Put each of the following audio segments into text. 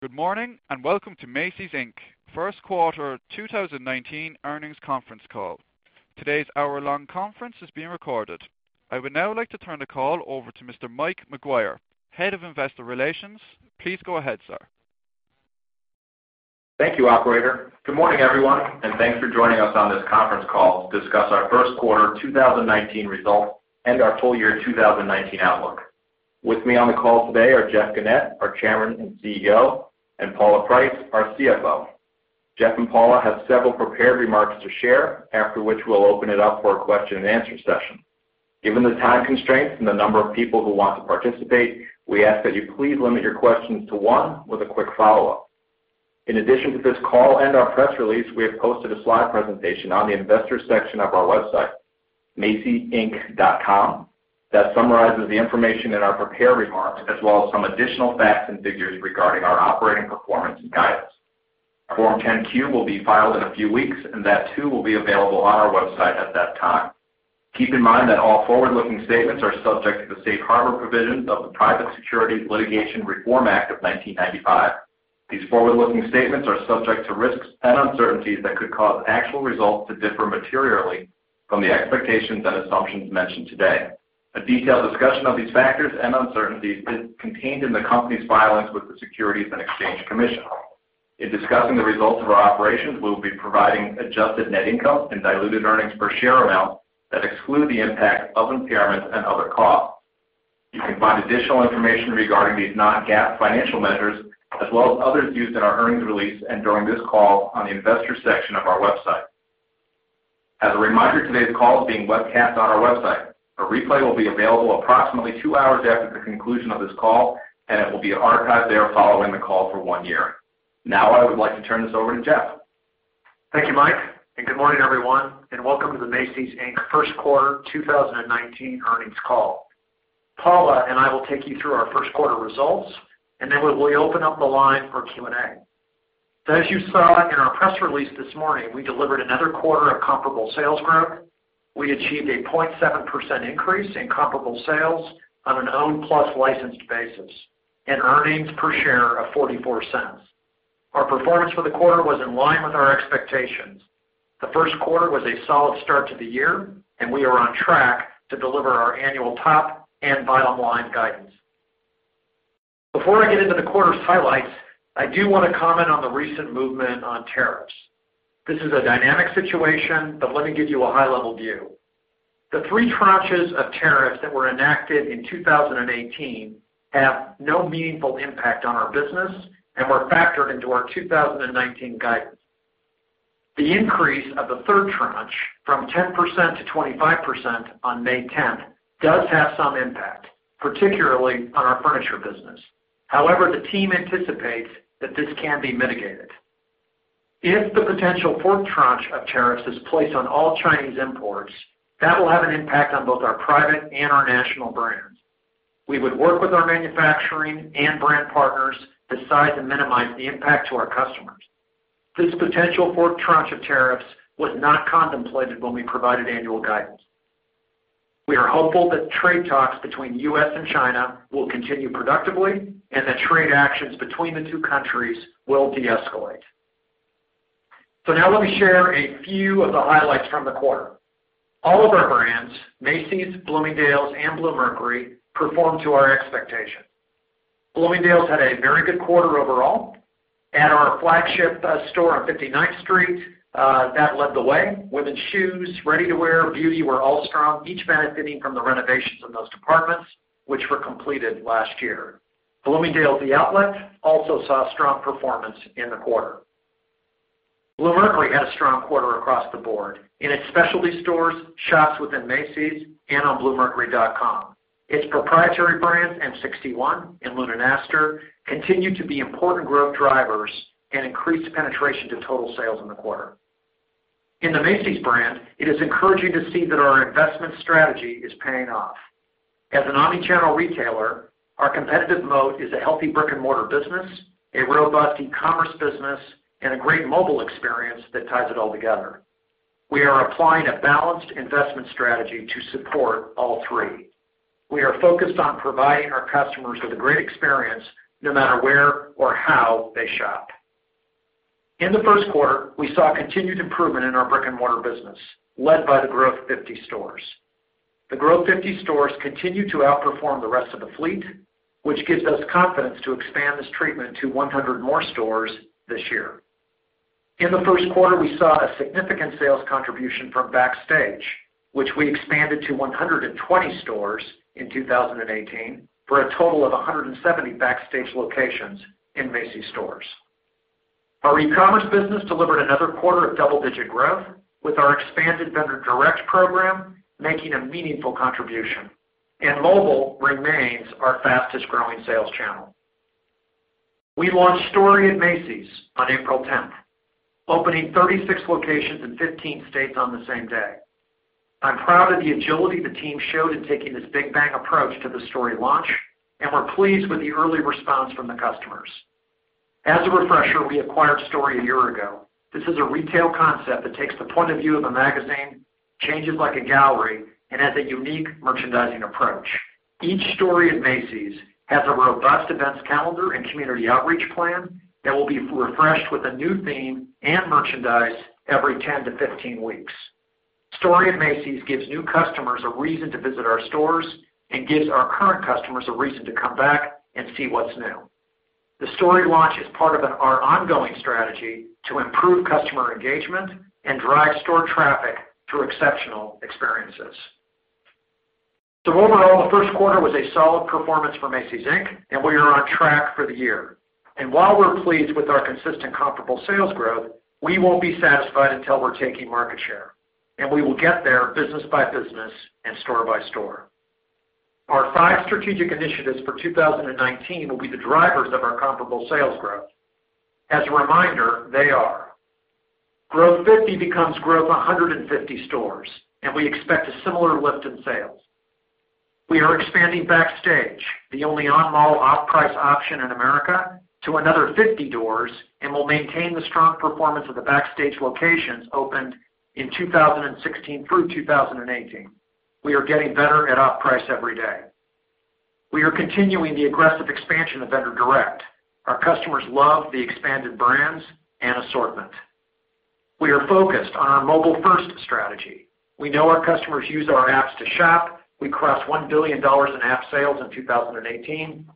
Good morning, and welcome to Macy's, Inc., first quarter 2019 earnings conference call. Today's hour-long conference is being recorded. I would now like to turn the call over to Mr. Mike McGuire, Head of Investor Relations. Please go ahead, sir. Thank you, operator. Good morning, everyone, and thanks for joining us on this conference call to discuss our first quarter 2019 results and our full year 2019 outlook. With me on the call today are Jeff Gennette, our Chairman and CEO, and Paula Price, our CFO. Jeff and Paula have several prepared remarks to share, after which we'll open it up for a question and answer session. Given the time constraints and the number of people who want to participate, we ask that you please limit your questions to one with a quick follow-up. In addition to this call and our press release, we have posted a slide presentation on the investors section of our website, macysinc.com, that summarizes the information in our prepared remarks, as well as some additional facts and figures regarding our operating performance and guidance. Our Form 10-Q will be filed in a few weeks. That too will be available on our website at that time. Keep in mind that all forward-looking statements are subject to the safe harbor provisions of the Private Securities Litigation Reform Act of 1995. These forward-looking statements are subject to risks and uncertainties that could cause actual results to differ materially from the expectations and assumptions mentioned today. A detailed discussion of these factors and uncertainties is contained in the company's filings with the Securities and Exchange Commission. In discussing the results of our operations, we'll be providing adjusted net income and diluted earnings per share amount that exclude the impact of impairments and other costs. You can find additional information regarding these non-GAAP financial measures, as well as others used in our earnings release and during this call, on the investors section of our website. As a reminder, today's call is being webcast on our website. A replay will be available approximately two hours after the conclusion of this call. It will be archived there following the call for one year. Now I would like to turn this over to Jeff. Thank you, Mike, and good morning, everyone, and welcome to the Macy's, Inc. first quarter 2019 earnings call. Paula and I will take you through our first quarter results. Then we will open up the line for Q&A. As you saw in our press release this morning, we delivered another quarter of comparable sales growth. We achieved a 0.7% increase in comparable sales on an owned plus licensed basis and earnings per share of $0.44. Our performance for the quarter was in line with our expectations. The first quarter was a solid start to the year, and we are on track to deliver our annual top and bottom line guidance. Before I get into the quarter's highlights, I do want to comment on the recent movement on tariffs. This is a dynamic situation. Let me give you a high-level view. The three tranches of tariffs that were enacted in 2018 have no meaningful impact on our business and were factored into our 2019 guidance. The increase of the third tranche from 10% to 25% on May 10th does have some impact, particularly on our furniture business. The team anticipates that this can be mitigated. If the potential fourth tranche of tariffs is placed on all Chinese imports, that will have an impact on both our private and our national brands. We would work with our manufacturing and brand partners to size and minimize the impact to our customers. This potential fourth tranche of tariffs was not contemplated when we provided annual guidance. We are hopeful that trade talks between U.S. and China will continue productively and that trade actions between the two countries will deescalate. Now let me share a few of the highlights from the quarter. All of our brands, Macy's, Bloomingdale's, and Bluemercury, performed to our expectation. Bloomingdale's had a very good quarter overall. At our flagship store on 59th Street, that led the way. Women's shoes, ready to wear, beauty were all strong, each benefiting from the renovations in those departments, which were completed last year. Bloomingdale's The Outlet also saw strong performance in the quarter. Bluemercury had a strong quarter across the board in its specialty stores, shops within Macy's, and on bluemercury.com. Its proprietary brands, M-61 and Lune+Aster, continue to be important growth drivers and increased penetration to total sales in the quarter. In the Macy's brand, it is encouraging to see that our investment strategy is paying off. As an omni-channel retailer, our competitive moat is a healthy brick-and-mortar business, a robust e-commerce business, and a great mobile experience that ties it all together. We are applying a balanced investment strategy to support all three. We are focused on providing our customers with a great experience, no matter where or how they shop. In the first quarter, we saw continued improvement in our brick-and-mortar business, led by the Growth 50 stores. The Growth 50 stores continue to outperform the rest of the fleet, which gives us confidence to expand this treatment to 100 more stores this year. In the first quarter, we saw a significant sales contribution from Backstage, which we expanded to 120 stores in 2018 for a total of 170 Backstage locations in Macy's stores. Our e-commerce business delivered another quarter of double-digit growth with our expanded Vendor Direct program making a meaningful contribution, and mobile remains our fastest-growing sales channel. We launched STORY at Macy's on April 10th, opening 36 locations in 15 states on the same day. I'm proud of the agility the team showed in taking this big bang approach to the STORY launch and we're pleased with the early response from the customers. As a refresher, we acquired STORY a year ago. This is a retail concept that takes the point of view of a magazine, changes like a gallery, and has a unique merchandising approach. Each STORY at Macy's has a robust events calendar and community outreach plan that will be refreshed with a new theme and merchandise every 10 to 15 weeks. STORY at Macy's gives new customers a reason to visit our stores and gives our current customers a reason to come back and see what's new. The STORY launch is part of our ongoing strategy to improve customer engagement and drive store traffic through exceptional experiences. Overall, the first quarter was a solid performance for Macy's, Inc., and we are on track for the year. While we're pleased with our consistent comparable sales growth, we won't be satisfied until we're taking market share, and we will get there business by business and store by store. Our five strategic initiatives for 2019 will be the drivers of our comparable sales growth. As a reminder, they are: Growth 50 becomes Growth 150 stores, and we expect a similar lift in sales. We are expanding Backstage, the only on-mall off-price option in America, to another 50 doors and will maintain the strong performance of the Backstage locations opened in 2016 through 2018. We are getting better at off-price every day. We are continuing the aggressive expansion of Vendor Direct. Our customers love the expanded brands and assortment. We are focused on our mobile-first strategy. We know our customers use our apps to shop. We crossed $1 billion in app sales in 2018.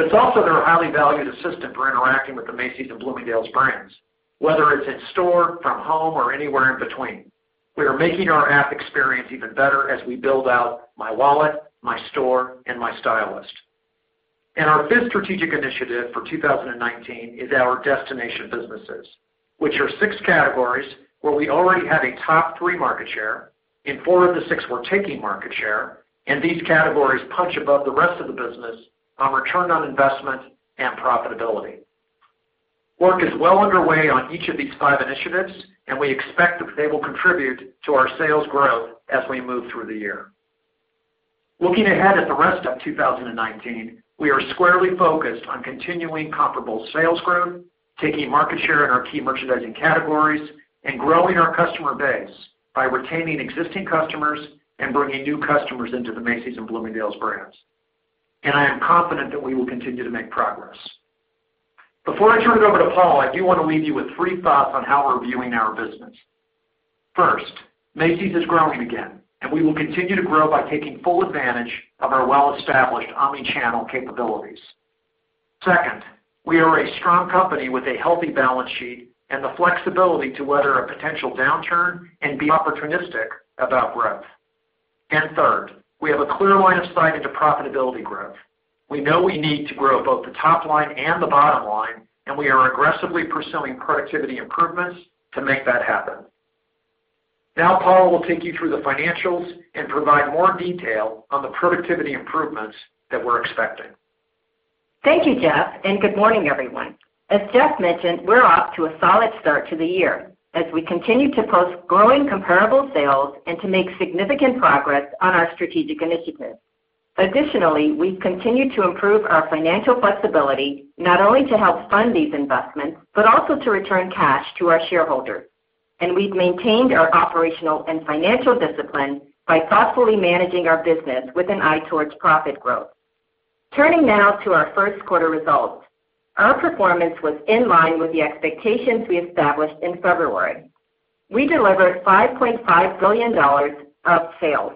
It's also their highly valued assistant for interacting with the Macy's and Bloomingdale's brands, whether it's in store, from home, or anywhere in between. We are making our app experience even better as we build out Macy's Wallet, My Store, and My Stylist@Macy's. Our fifth strategic initiative for 2019 is our destination businesses, which are six categories where we already have a top three market share. In four of the six, we're taking market share, and these categories punch above the rest of the business on return on investment and profitability. Work is well underway on each of these five initiatives, and we expect that they will contribute to our sales growth as we move through the year. Looking ahead at the rest of 2019, we are squarely focused on continuing comparable sales growth, taking market share in our key merchandising categories, and growing our customer base by retaining existing customers and bringing new customers into the Macy's and Bloomingdale's brands. I am confident that we will continue to make progress. Before I turn it over to Paula, I do want to leave you with three thoughts on how we're viewing our business. First, Macy's is growing again, and we will continue to grow by taking full advantage of our well-established omni-channel capabilities. Second, we are a strong company with a healthy balance sheet and the flexibility to weather a potential downturn and be opportunistic about growth. Third, we have a clear line of sight into profitability growth. We know we need to grow both the top line and the bottom line. We are aggressively pursuing productivity improvements to make that happen. Paula will take you through the financials and provide more detail on the productivity improvements that we're expecting. Thank you, Jeff, and good morning, everyone. As Jeff mentioned, we're off to a solid start to the year as we continue to post growing comparable sales and to make significant progress on our strategic initiatives. Additionally, we've continued to improve our financial flexibility, not only to help fund these investments, but also to return cash to our shareholders. We've maintained our operational and financial discipline by thoughtfully managing our business with an eye towards profit growth. Turning now to our first quarter results. Our performance was in line with the expectations we established in February. We delivered $5.5 billion of sales,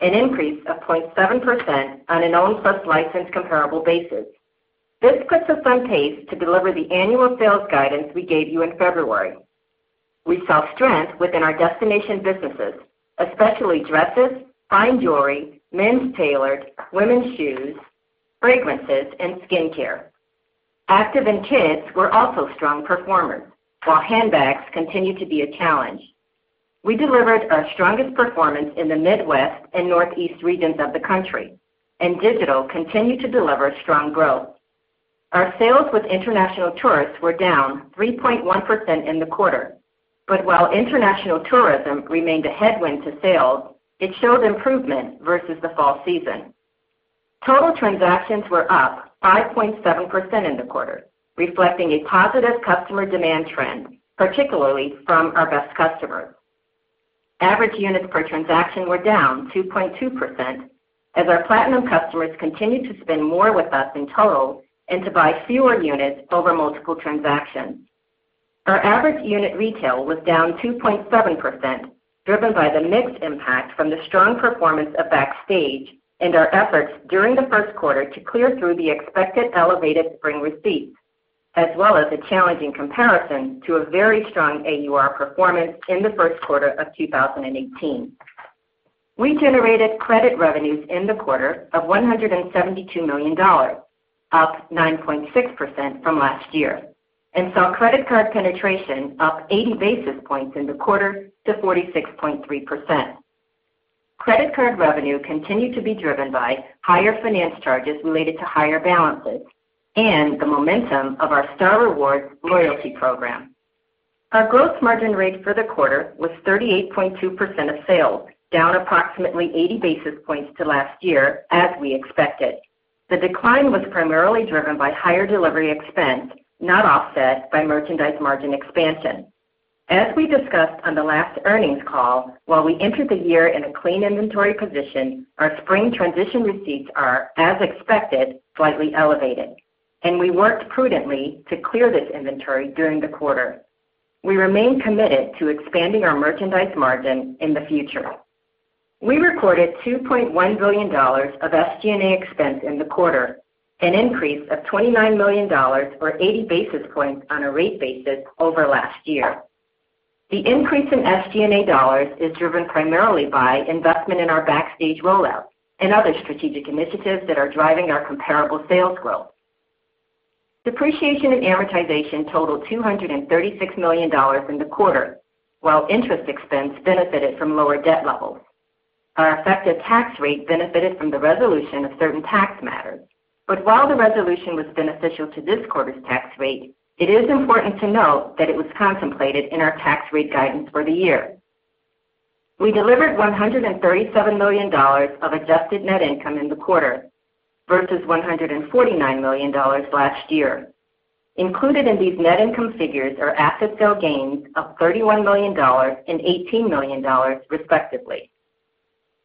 an increase of 0.7% on an owned plus licensed comparable basis. This puts us on pace to deliver the annual sales guidance we gave you in February. We saw strength within our destination businesses, especially dresses, fine jewelry, men's tailored, women's shoes, fragrances, and skincare. Active and kids were also strong performers, while handbags continued to be a challenge. We delivered our strongest performance in the Midwest and Northeast regions of the country. Digital continued to deliver strong growth. Our sales with international tourists were down 3.1% in the quarter. While international tourism remained a headwind to sales, it showed improvement versus the fall season. Total transactions were up 5.7% in the quarter, reflecting a positive customer demand trend, particularly from our best customers. Average units per transaction were down 2.2% as our platinum customers continued to spend more with us in total and to buy fewer units over multiple transactions. Our average unit retail was down 2.7%, driven by the mixed impact from the strong performance of Macy's Backstage and our efforts during the first quarter to clear through the expected elevated spring receipts, as well as a challenging comparison to a very strong AUR performance in the first quarter of 2018. We generated credit revenues in the quarter of $172 million, up 9.6% from last year, and saw credit card penetration up 80 basis points in the quarter to 46.3%. Credit card revenue continued to be driven by higher finance charges related to higher balances and the momentum of our Star Rewards loyalty program. Our gross margin rate for the quarter was 38.2% of sales, down approximately 80 basis points to last year, as we expected. The decline was primarily driven by higher delivery expense, not offset by merchandise margin expansion. As we discussed on the last earnings call, while we entered the year in a clean inventory position, our spring transition receipts are, as expected, slightly elevated, and we worked prudently to clear this inventory during the quarter. We remain committed to expanding our merchandise margin in the future. We recorded $2.1 billion of SG&A expense in the quarter, an increase of $29 million or 80 basis points on a rate basis over last year. The increase in SG&A dollars is driven primarily by investment in our Macy's Backstage rollout and other strategic initiatives that are driving our comparable sales growth. Depreciation and amortization totaled $236 million in the quarter, while interest expense benefited from lower debt levels. Our effective tax rate benefited from the resolution of certain tax matters. While the resolution was beneficial to this quarter's tax rate, it is important to note that it was contemplated in our tax rate guidance for the year. We delivered $137 million of adjusted net income in the quarter versus $149 million last year. Included in these net income figures are asset sale gains of $31 million and $18 million, respectively.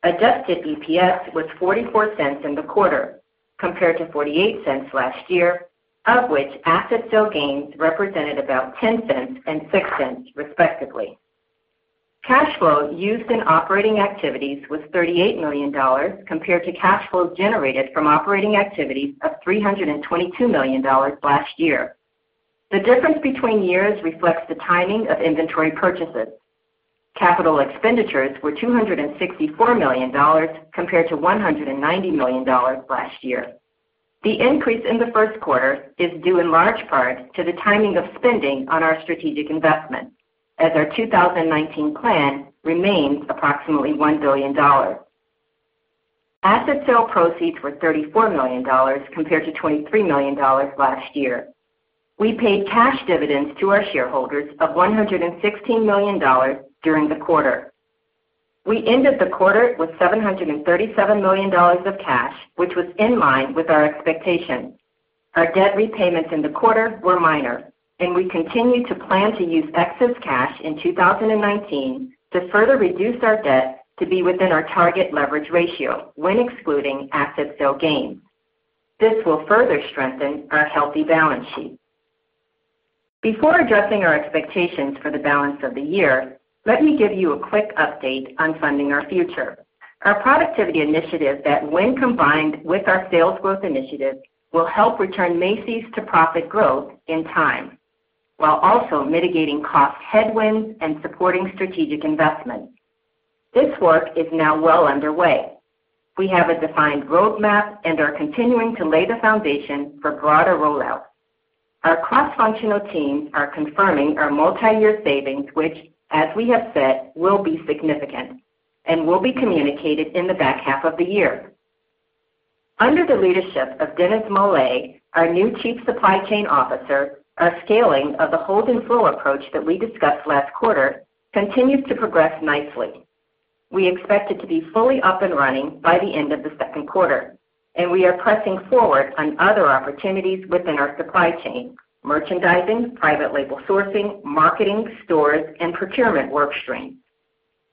Adjusted EPS was $0.44 in the quarter, compared to $0.48 last year, of which asset sale gains represented about $0.10 and $0.06, respectively. Cash flow used in operating activities was $38 million, compared to cash flow generated from operating activities of $322 million last year. The difference between years reflects the timing of inventory purchases. Capital expenditures were $264 million compared to $190 million last year. The increase in the first quarter is due in large part to the timing of spending on our strategic investment, as our 2019 plan remains approximately $1 billion. Asset sale proceeds were $34 million compared to $23 million last year. We paid cash dividends to our shareholders of $116 million during the quarter. We ended the quarter with $737 million of cash, which was in line with our expectations. Our debt repayments in the quarter were minor, and we continue to plan to use excess cash in 2019 to further reduce our debt to be within our target leverage ratio when excluding asset sale gains. This will further strengthen our healthy balance sheet. Before addressing our expectations for the balance of the year, let me give you a quick update on Funding Our Future, our productivity initiative that when combined with our sales growth initiatives, will help return Macy's to profit growth in time, while also mitigating cost headwinds and supporting strategic investments. This work is now well underway. We have a defined roadmap and are continuing to lay the foundation for broader rollout. Our cross-functional teams are confirming our multi-year savings, which, as we have said, will be significant and will be communicated in the back half of the year. Under the leadership of Dennis Mullahy, our new Chief Supply Chain Officer, our scaling of the hold and flow approach that we discussed last quarter continues to progress nicely. We expect it to be fully up and running by the end of the second quarter, and we are pressing forward on other opportunities within our supply chain, merchandising, private label sourcing, marketing, stores, and procurement workstream.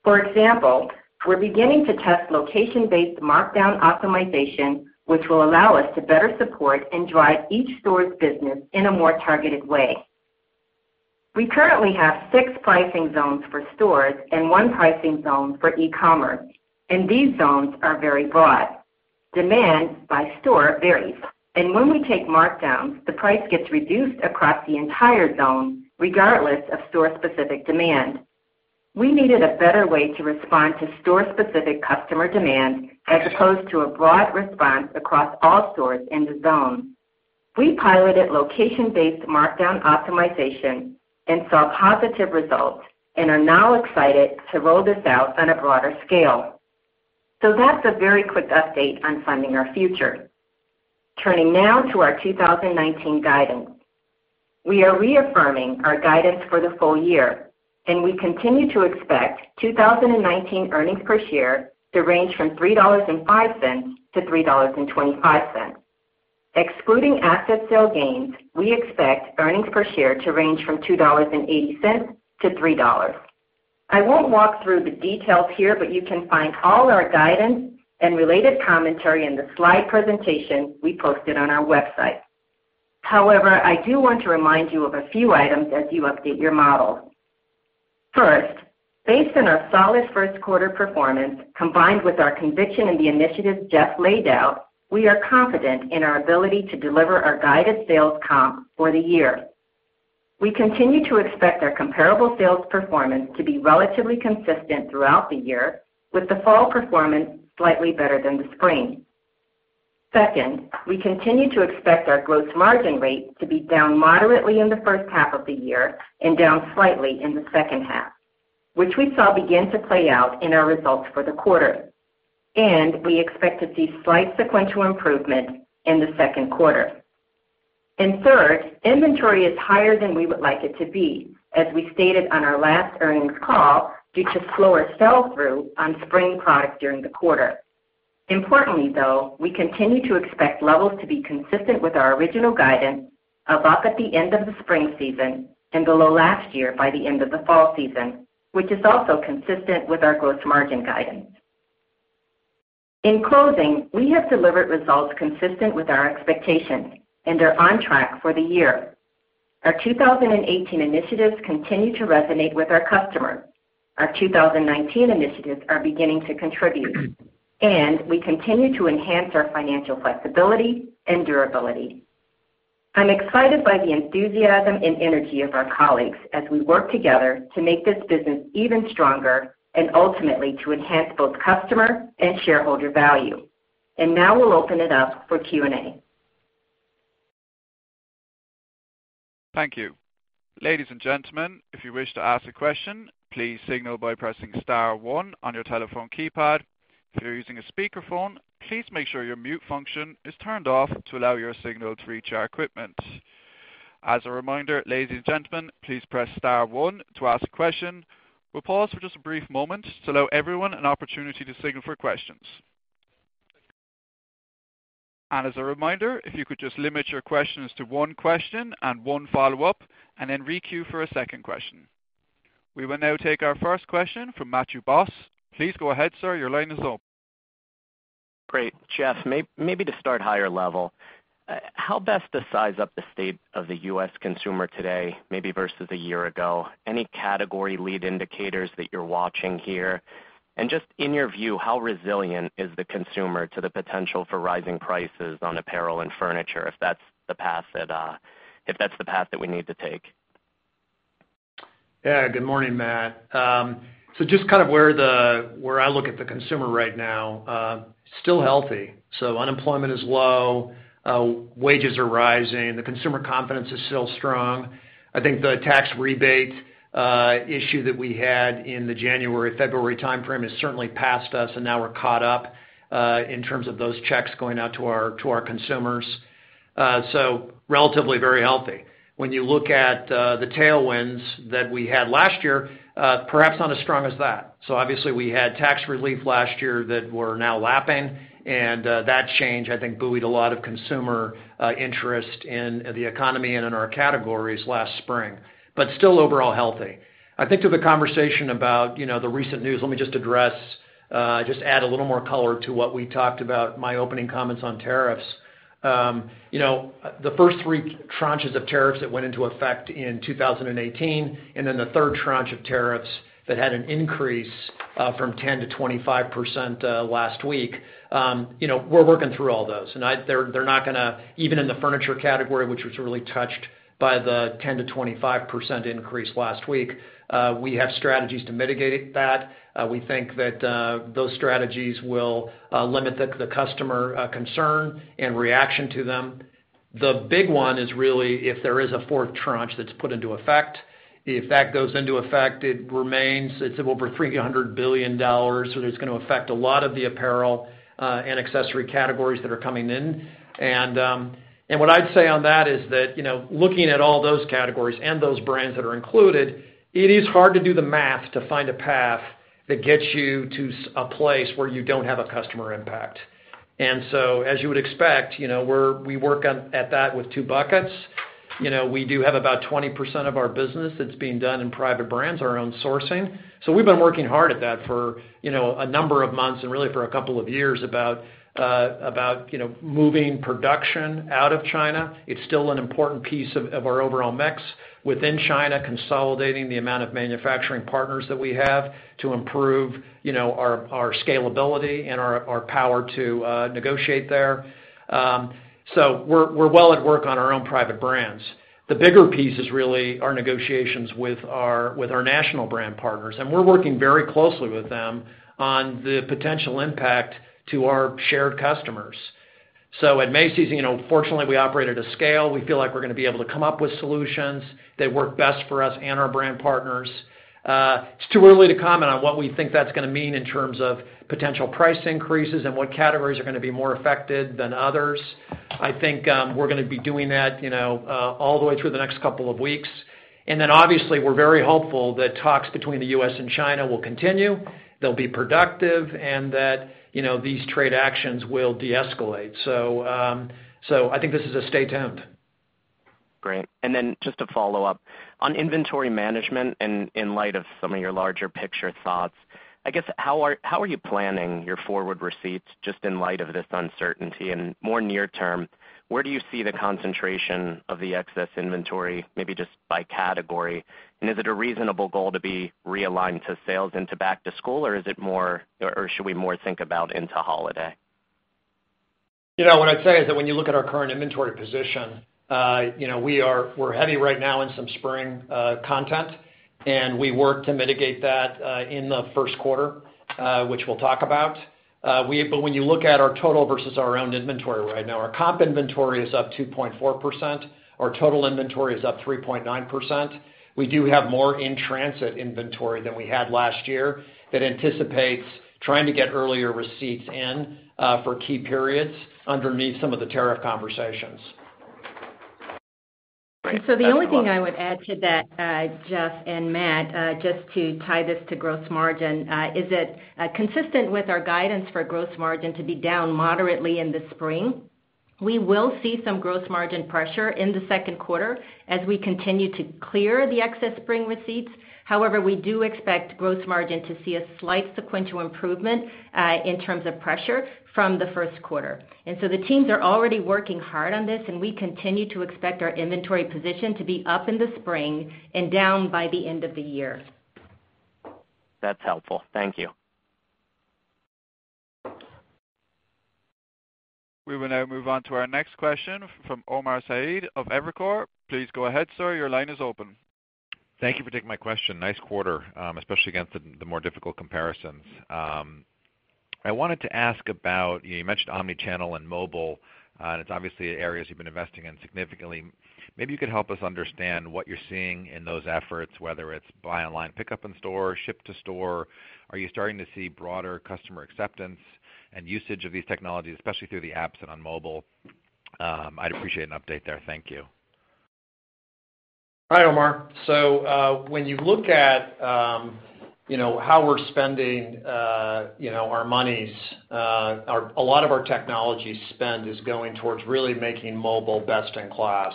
For example, we are beginning to test location-based markdown optimization, which will allow us to better support and drive each store's business in a more targeted way. We currently have six pricing zones for stores and one pricing zone for e-commerce. These zones are very broad. Demand by store varies. When we take markdowns, the price gets reduced across the entire zone, regardless of store-specific demand. We needed a better way to respond to store-specific customer demand as opposed to a broad response across all stores in the zone. We piloted location-based markdown optimization and saw positive results and are now excited to roll this out on a broader scale. That is a very quick update on Funding Our Future. Turning now to our 2019 guidance. We are reaffirming our guidance for the full year. We continue to expect 2019 earnings per share to range from $3.05-$3.25. Excluding asset sale gains, we expect earnings per share to range from $2.80-$3. You can find all our guidance and related commentary in the slide presentation we posted on our website. However, I do want to remind you of a few items as you update your model. First, based on our solid first quarter performance, combined with our conviction in the initiatives Jeff laid out, we are confident in our ability to deliver our guided sales comp for the year. We continue to expect our comparable sales performance to be relatively consistent throughout the year, with the fall performance slightly better than the spring. Second, we continue to expect our gross margin rate to be down moderately in the first half of the year and down slightly in the second half, which we saw begin to play out in our results for the quarter. We expect to see slight sequential improvement in the second quarter. Third, inventory is higher than we would like it to be, as we stated on our last earnings call, due to slower sell-through on spring product during the quarter. Importantly though, we continue to expect levels to be consistent with our original guidance of up at the end of the spring season and below last year by the end of the fall season, which is also consistent with our gross margin guidance. In closing, we have delivered results consistent with our expectations and are on track for the year. Our 2018 initiatives continue to resonate with our customers. Our 2019 initiatives are beginning to contribute. We continue to enhance our financial flexibility and durability. I'm excited by the enthusiasm and energy of our colleagues as we work together to make this business even stronger and ultimately to enhance both customer and shareholder value. Now we'll open it up for Q&A. Thank you. Ladies and gentlemen, if you wish to ask a question, please signal by pressing *1 on your telephone keypad. If you're using a speakerphone, please make sure your mute function is turned off to allow your signal to reach our equipment. As a reminder, ladies and gentlemen, please press *1 to ask a question. We will pause for just a brief moment to allow everyone an opportunity to signal for questions. As a reminder, if you could just limit your questions to one question and one follow-up, and then re-queue for a second question. We will now take our first question from Matthew Boss. Please go ahead, sir. Your line is open. Great. Jeff, maybe to start higher level, how best to size up the state of the U.S. consumer today, maybe versus a year ago? Any category lead indicators that you're watching here? Just in your view, how resilient is the consumer to the potential for rising prices on apparel and furniture, if that's the path that we need to take? Yeah. Good morning, Matt. Just where I look at the consumer right now, still healthy. Unemployment is low, wages are rising, the consumer confidence is still strong. I think the tax rebate issue that we had in the January, February timeframe has certainly passed us, and now we're caught up in terms of those checks going out to our consumers. Relatively very healthy. When you look at the tailwinds that we had last year, perhaps not as strong as that. Obviously we had tax relief last year that we're now lapping. That change, I think, buoyed a lot of consumer interest in the economy and in our categories last spring. Still overall healthy. I think to the conversation about the recent news, let me just address, just add a little more color to what we talked about, my opening comments on tariffs. The first three tranches of tariffs that went into effect in 2018, the third tranche of tariffs that had an increase from 10%-25% last week. We're working through all those. Even in the furniture category, which was really touched by the 10%-25% increase last week, we have strategies to mitigate that. We think that those strategies will limit the customer concern and reaction to them. The big one is really if there is a fourth tranche that's put into effect. If that goes into effect, it remains, it's over $300 billion, it's going to affect a lot of the apparel and accessory categories that are coming in. What I'd say on that is that, looking at all those categories and those brands that are included, it is hard to do the math to find a path that gets you to a place where you don't have a customer impact. As you would expect, we work at that with two buckets. We do have about 20% of our business that's being done in private brands, our own sourcing. We've been working hard at that for a number of months and really for a couple of years about moving production out of China. It's still an important piece of our overall mix within China, consolidating the amount of manufacturing partners that we have to improve our scalability and our power to negotiate there. We're well at work on our own private brands. The bigger piece is really our negotiations with our national brand partners, and we're working very closely with them on the potential impact to our shared customers. At Macy's, fortunately, we operate at a scale. We feel like we're going to be able to come up with solutions that work best for us and our brand partners. It's too early to comment on what we think that's going to mean in terms of potential price increases and what categories are going to be more affected than others. I think we're going to be doing that all the way through the next couple of weeks. Obviously, we're very hopeful that talks between the U.S. and China will continue, they'll be productive, and that these trade actions will deescalate. I think this is a stay tuned. Great. Just to follow up, on inventory management and in light of some of your larger picture thoughts, I guess, how are you planning your forward receipts just in light of this uncertainty? More near term, where do you see the concentration of the excess inventory, maybe just by category? Is it a reasonable goal to be realigned to sales into back to school, or should we more think about into holiday? What I'd say is that when you look at our current inventory position, we're heavy right now in some spring content, and we worked to mitigate that in the first quarter, which we'll talk about. When you look at our total versus our own inventory right now, our comp inventory is up 2.4%, our total inventory is up 3.9%. We do have more in-transit inventory than we had last year that anticipates trying to get earlier receipts in for key periods underneath some of the tariff conversations. The only thing I would add to that, Jeff and Matt, just to tie this to gross margin, is that consistent with our guidance for gross margin to be down moderately in the spring. We will see some gross margin pressure in the second quarter as we continue to clear the excess spring receipts. However, we do expect gross margin to see a slight sequential improvement in terms of pressure from the first quarter. The teams are already working hard on this, and we continue to expect our inventory position to be up in the spring and down by the end of the year. That's helpful. Thank you. We will now move on to our next question from Omar Saad of Evercore. Please go ahead, sir. Your line is open. Thank you for taking my question. Nice quarter, especially against the more difficult comparisons. You mentioned omni-channel and mobile, and it's obviously areas you've been investing in significantly. Maybe you could help us understand what you're seeing in those efforts, whether it's buy online, pickup in store, ship to store. Are you starting to see broader customer acceptance and usage of these technologies, especially through the apps and on mobile? I'd appreciate an update there. Thank you. Hi, Omar. When you look at how we're spending our monies, a lot of our technology spend is going towards really making mobile best in class.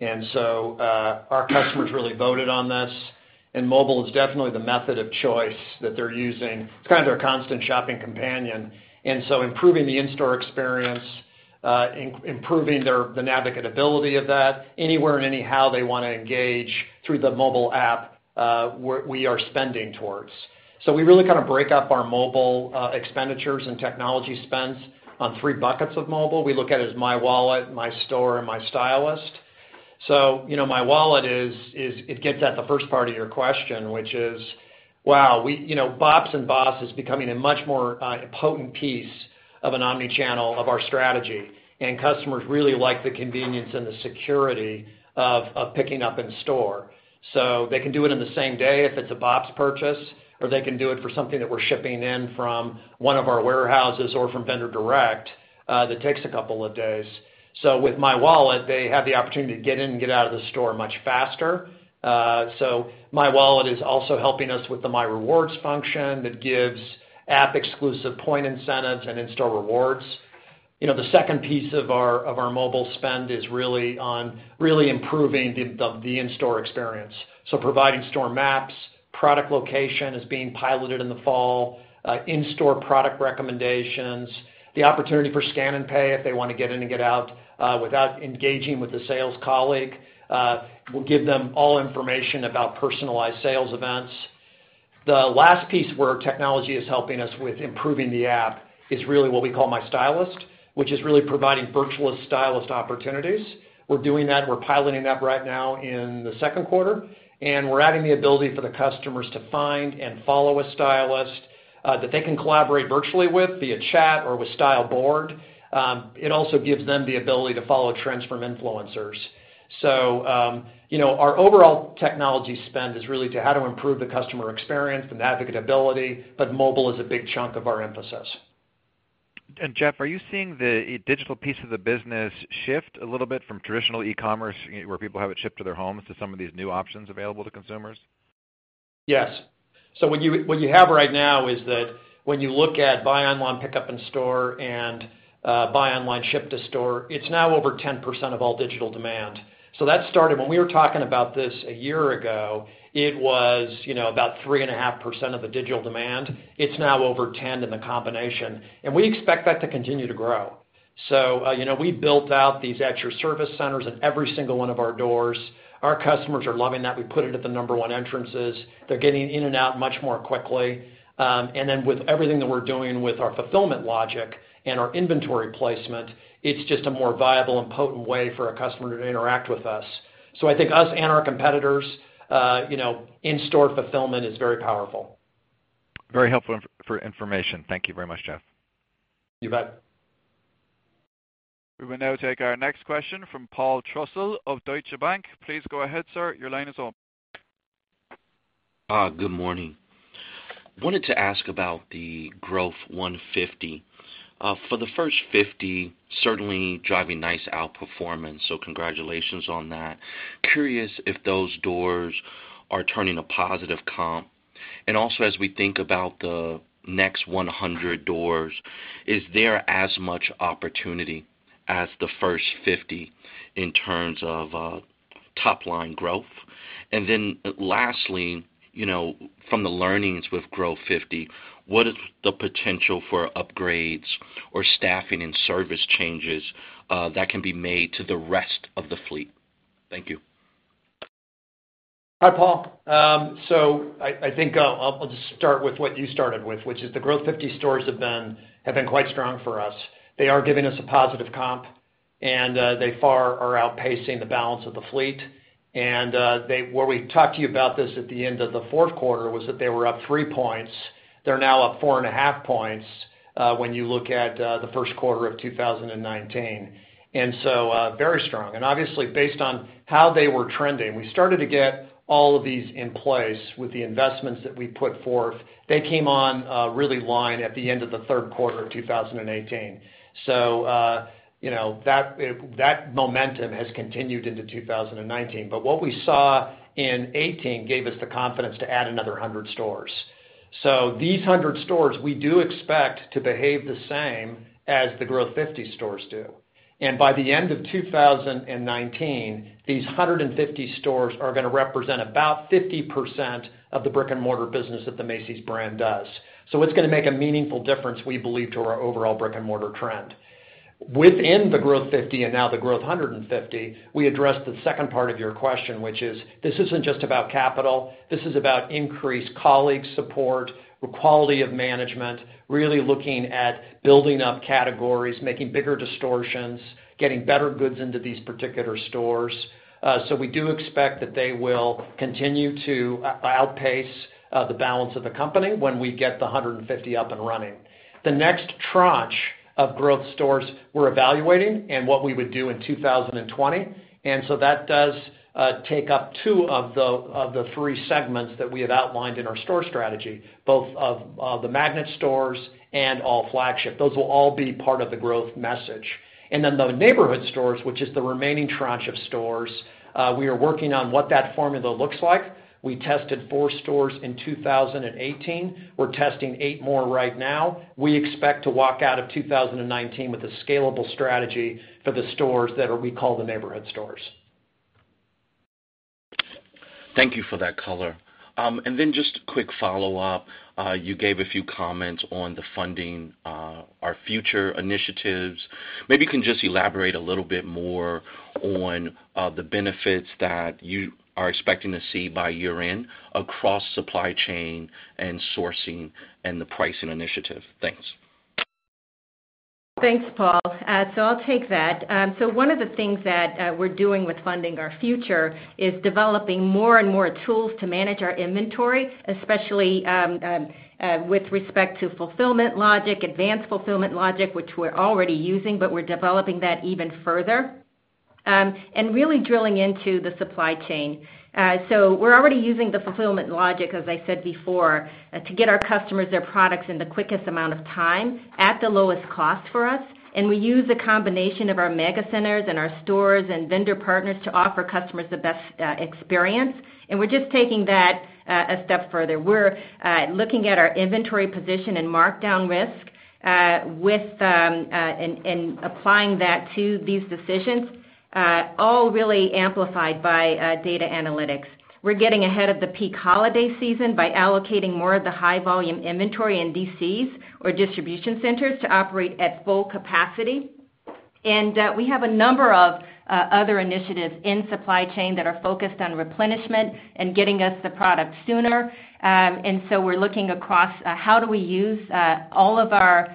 Our customers really voted on this, and mobile is definitely the method of choice that they're using. It's kind of their constant shopping companion. Improving the in-store experience, improving the navigatability of that anywhere and any how they want to engage through the mobile app, we are spending towards. We really break up our mobile expenditures and technology spends on three buckets of mobile. We look at as Macy's Wallet, My Store and My Stylist@Macy's. Macy's Wallet is, it gets at the first part of your question, which is, wow, BOPS and BOSS is becoming a much more potent piece of an omni-channel of our strategy. Customers really like the convenience and the security of picking up in store. They can do it in the same day if it's a BOPS purchase, or they can do it for something that we're shipping in from one of our warehouses or from Vendor Direct that takes a couple of days. With Macy's Wallet, they have the opportunity to get in and get out of the store much faster. Macy's Wallet is also helping us with the My Rewards function that gives app-exclusive point incentives and in-store rewards. The second piece of our mobile spend is really on improving the in-store experience. Providing store maps, product location is being piloted in the fall, in-store product recommendations. The opportunity for scan and pay if they want to get in and get out without engaging with the sales colleague. We'll give them all information about personalized sales events. The last piece where technology is helping us with improving the app is really what we call My Stylist@Macy's, which is really providing virtual stylist opportunities. We're doing that. We're piloting that right now in the second quarter, and we're adding the ability for the customers to find and follow a stylist that they can collaborate virtually with via chat or with Style Board. It also gives them the ability to follow trends from influencers. Our overall technology spend is really how to improve the customer experience, the navigatability, but mobile is a big chunk of our emphasis. Jeff, are you seeing the digital piece of the business shift a little bit from traditional e-commerce where people have it shipped to their homes to some of these new options available to consumers? Yes. What you have right now is that when you look at buy online, pickup in store and buy online, ship to store, it's now over 10% of all digital demand. That when we were talking about this a year ago, it was about 3.5% of the digital demand. It's now over 10 in the combination, and we expect that to continue to grow. We built out these extra service centers in every single one of our doors. Our customers are loving that. We put it at the number 1 entrances. They're getting in and out much more quickly. With everything that we're doing with our fulfillment logic and our inventory placement, it's just a more viable and potent way for a customer to interact with us. I think us and our competitors, in-store fulfillment is very powerful. Very helpful information. Thank you very much, Jeff. You bet. We will now take our next question from Paul Trussell of Deutsche Bank. Please go ahead, sir. Your line is open. Good morning. Wanted to ask about the Growth 150. For the first 50, certainly driving nice outperformance, congratulations on that. Curious if those doors are turning a positive comp. Also, as we think about the next 100 doors, is there as much opportunity as the first 50 in terms of top-line growth? Lastly, from the learnings with Growth 50, what is the potential for upgrades or staffing and service changes that can be made to the rest of the fleet? Thank you. Hi, Paul. I think I'll just start with what you started with, which is the Growth 50 stores have been quite strong for us. They are giving us a positive comp. They far are outpacing the balance of the fleet. Where we talked to you about this at the end of the fourth quarter was that they were up three points. They're now up four and a half points when you look at the first quarter of 2019. Very strong. Obviously, based on how they were trending, we started to get all of these in place with the investments that we put forth. They came on really line at the end of the third quarter of 2018. That momentum has continued into 2019. What we saw in 2018 gave us the confidence to add another 100 stores. These 100 stores, we do expect to behave the same as the Growth 50 stores do. By the end of 2019, these 150 stores are going to represent about 50% of the brick-and-mortar business that the Macy's brand does. It's going to make a meaningful difference, we believe, to our overall brick-and-mortar trend. Within the Growth 50 and now the Growth 150, we address the second part of your question, which is, this isn't just about capital. This is about increased colleague support, the quality of management, really looking at building up categories, making bigger distortions, getting better goods into these particular stores. We do expect that they will continue to outpace the balance of the company when we get the 150 up and running. The next tranche of growth stores we're evaluating and what we would do in 2020. That does take up two of the three segments that we have outlined in our store strategy, both of the magnet stores and all flagship. Those will all be part of the growth message. The neighborhood stores, which is the remaining tranche of stores, we are working on what that formula looks like. We tested four stores in 2018. We're testing eight more right now. We expect to walk out of 2019 with a scalable strategy for the stores that we call the neighborhood stores. Thank you for that color. Just a quick follow-up. You gave a few comments on the Funding Our Future initiatives. Maybe you can just elaborate a little bit more on the benefits that you are expecting to see by year-end across supply chain and sourcing and the pricing initiative. Thanks. Thanks, Paul. I'll take that. One of the things that we're doing with Funding Our Future is developing more and more tools to manage our inventory, especially with respect to fulfillment logic, advanced fulfillment logic, which we're already using, but we're developing that even further. Really drilling into the supply chain. We're already using the fulfillment logic, as I said before, to get our customers their products in the quickest amount of time at the lowest cost for us. We use a combination of our mega centers and our stores and vendor partners to offer customers the best experience. We're just taking that a step further. We're looking at our inventory position and markdown risk and applying that to these decisions, all really amplified by data analytics. We're getting ahead of the peak holiday season by allocating more of the high volume inventory in DCs, or distribution centers, to operate at full capacity. We have a number of other initiatives in supply chain that are focused on replenishment and getting us the product sooner. We're looking across how do we use all of our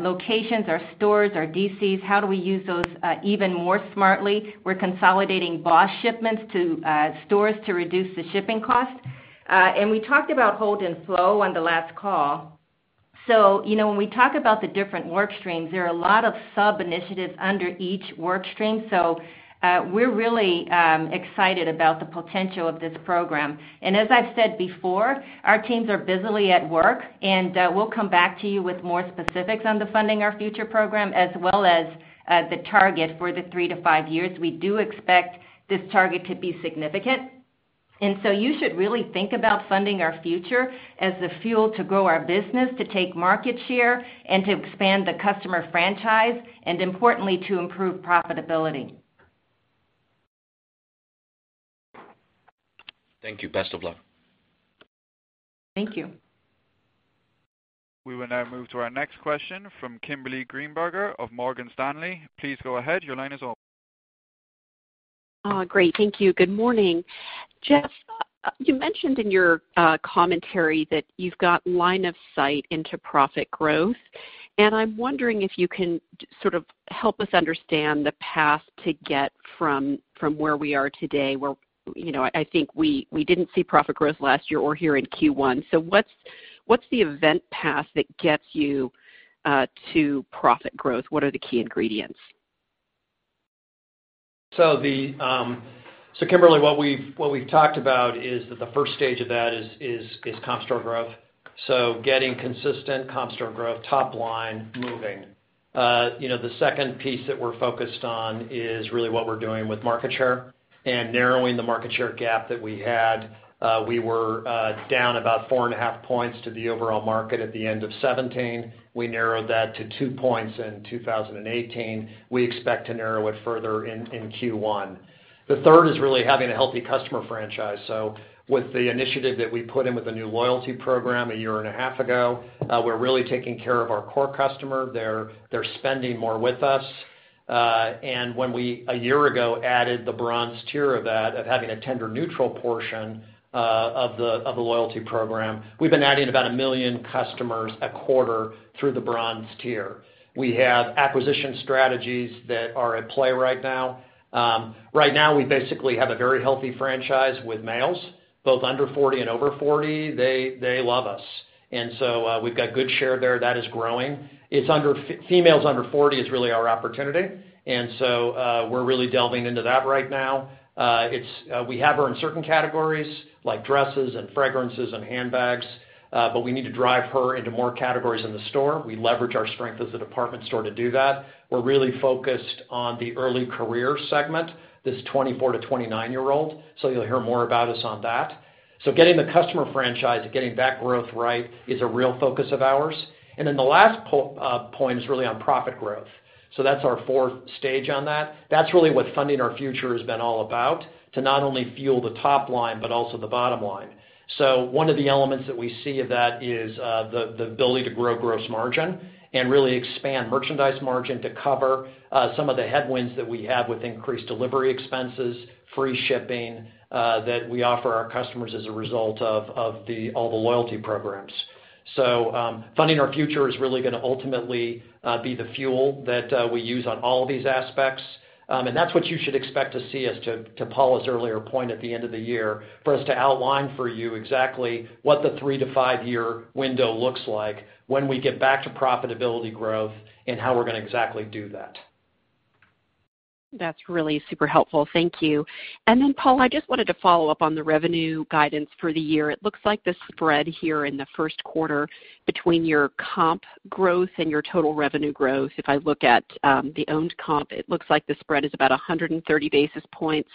locations, our stores, our DCs, how do we use those even more smartly. We're consolidating BOSS shipments to stores to reduce the shipping cost. We talked about hold and flow on the last call. When we talk about the different work streams, there are a lot of sub-initiatives under each work stream. We're really excited about the potential of this program. As I've said before, our teams are busily at work, and we'll come back to you with more specifics on the Funding Our Future program as well as the target for the three to five years. We do expect this target to be significant. You should really think about Funding Our Future as the fuel to grow our business, to take market share, and to expand the customer franchise, and importantly, to improve profitability. Thank you. Best of luck. Thank you. We will now move to our next question from Kimberly Greenberger of Morgan Stanley. Please go ahead. Your line is open. Great. Thank you. Good morning. Jeff, you mentioned in your commentary that you've got line of sight into profit growth, and I'm wondering if you can sort of help us understand the path to get from where we are today, where I think we didn't see profit growth last year or here in Q1. What's the event path that gets you to profit growth? What are the key ingredients? Kimberly, what we've talked about is that the first stage of that is comp store growth. Getting consistent comp store growth, top line moving. The second piece that we're focused on is really what we're doing with market share and narrowing the market share gap that we had. We were down about four and a half points to the overall market at the end of 2017. We narrowed that to two points in 2018. We expect to narrow it further in Q1. The third is really having a healthy customer franchise. With the initiative that we put in with the new loyalty program a year and a half ago, we're really taking care of our core customer. They're spending more with us. When we, a year ago, added the bronze tier of that, of having a tender neutral portion of the loyalty program, we've been adding about a million customers a quarter through the bronze tier. We have acquisition strategies that are at play right now. Right now, we basically have a very healthy franchise with males, both under 40 and over 40. They love us. We've got good share there that is growing. Females under 40 is really our opportunity. We're really delving into that right now. We have her in certain categories like dresses and fragrances and handbags. We need to drive her into more categories in the store. We leverage our strength as a department store to do that. We're really focused on the early career segment, this 24-29-year-old. You'll hear more about us on that. Getting the customer franchise and getting that growth right is a real focus of ours. The last point is really on profit growth. That's our fourth stage on that. That's really what Funding Our Future has been all about, to not only fuel the top line but also the bottom line. One of the elements that we see of that is the ability to grow gross margin and really expand merchandise margin to cover some of the headwinds that we have with increased delivery expenses, free shipping that we offer our customers as a result of all the loyalty programs. Funding Our Future is really going to ultimately be the fuel that we use on all of these aspects. That's what you should expect to see as to Paula's earlier point at the end of the year, for us to outline for you exactly what the three-to-five-year window looks like when we get back to profitability growth and how we're going to exactly do that. That's really super helpful. Thank you. Paula, I just wanted to follow up on the revenue guidance for the year. It looks like the spread here in the first quarter between your comp growth and your total revenue growth. If I look at the owned comp, it looks like the spread is about 130 basis points.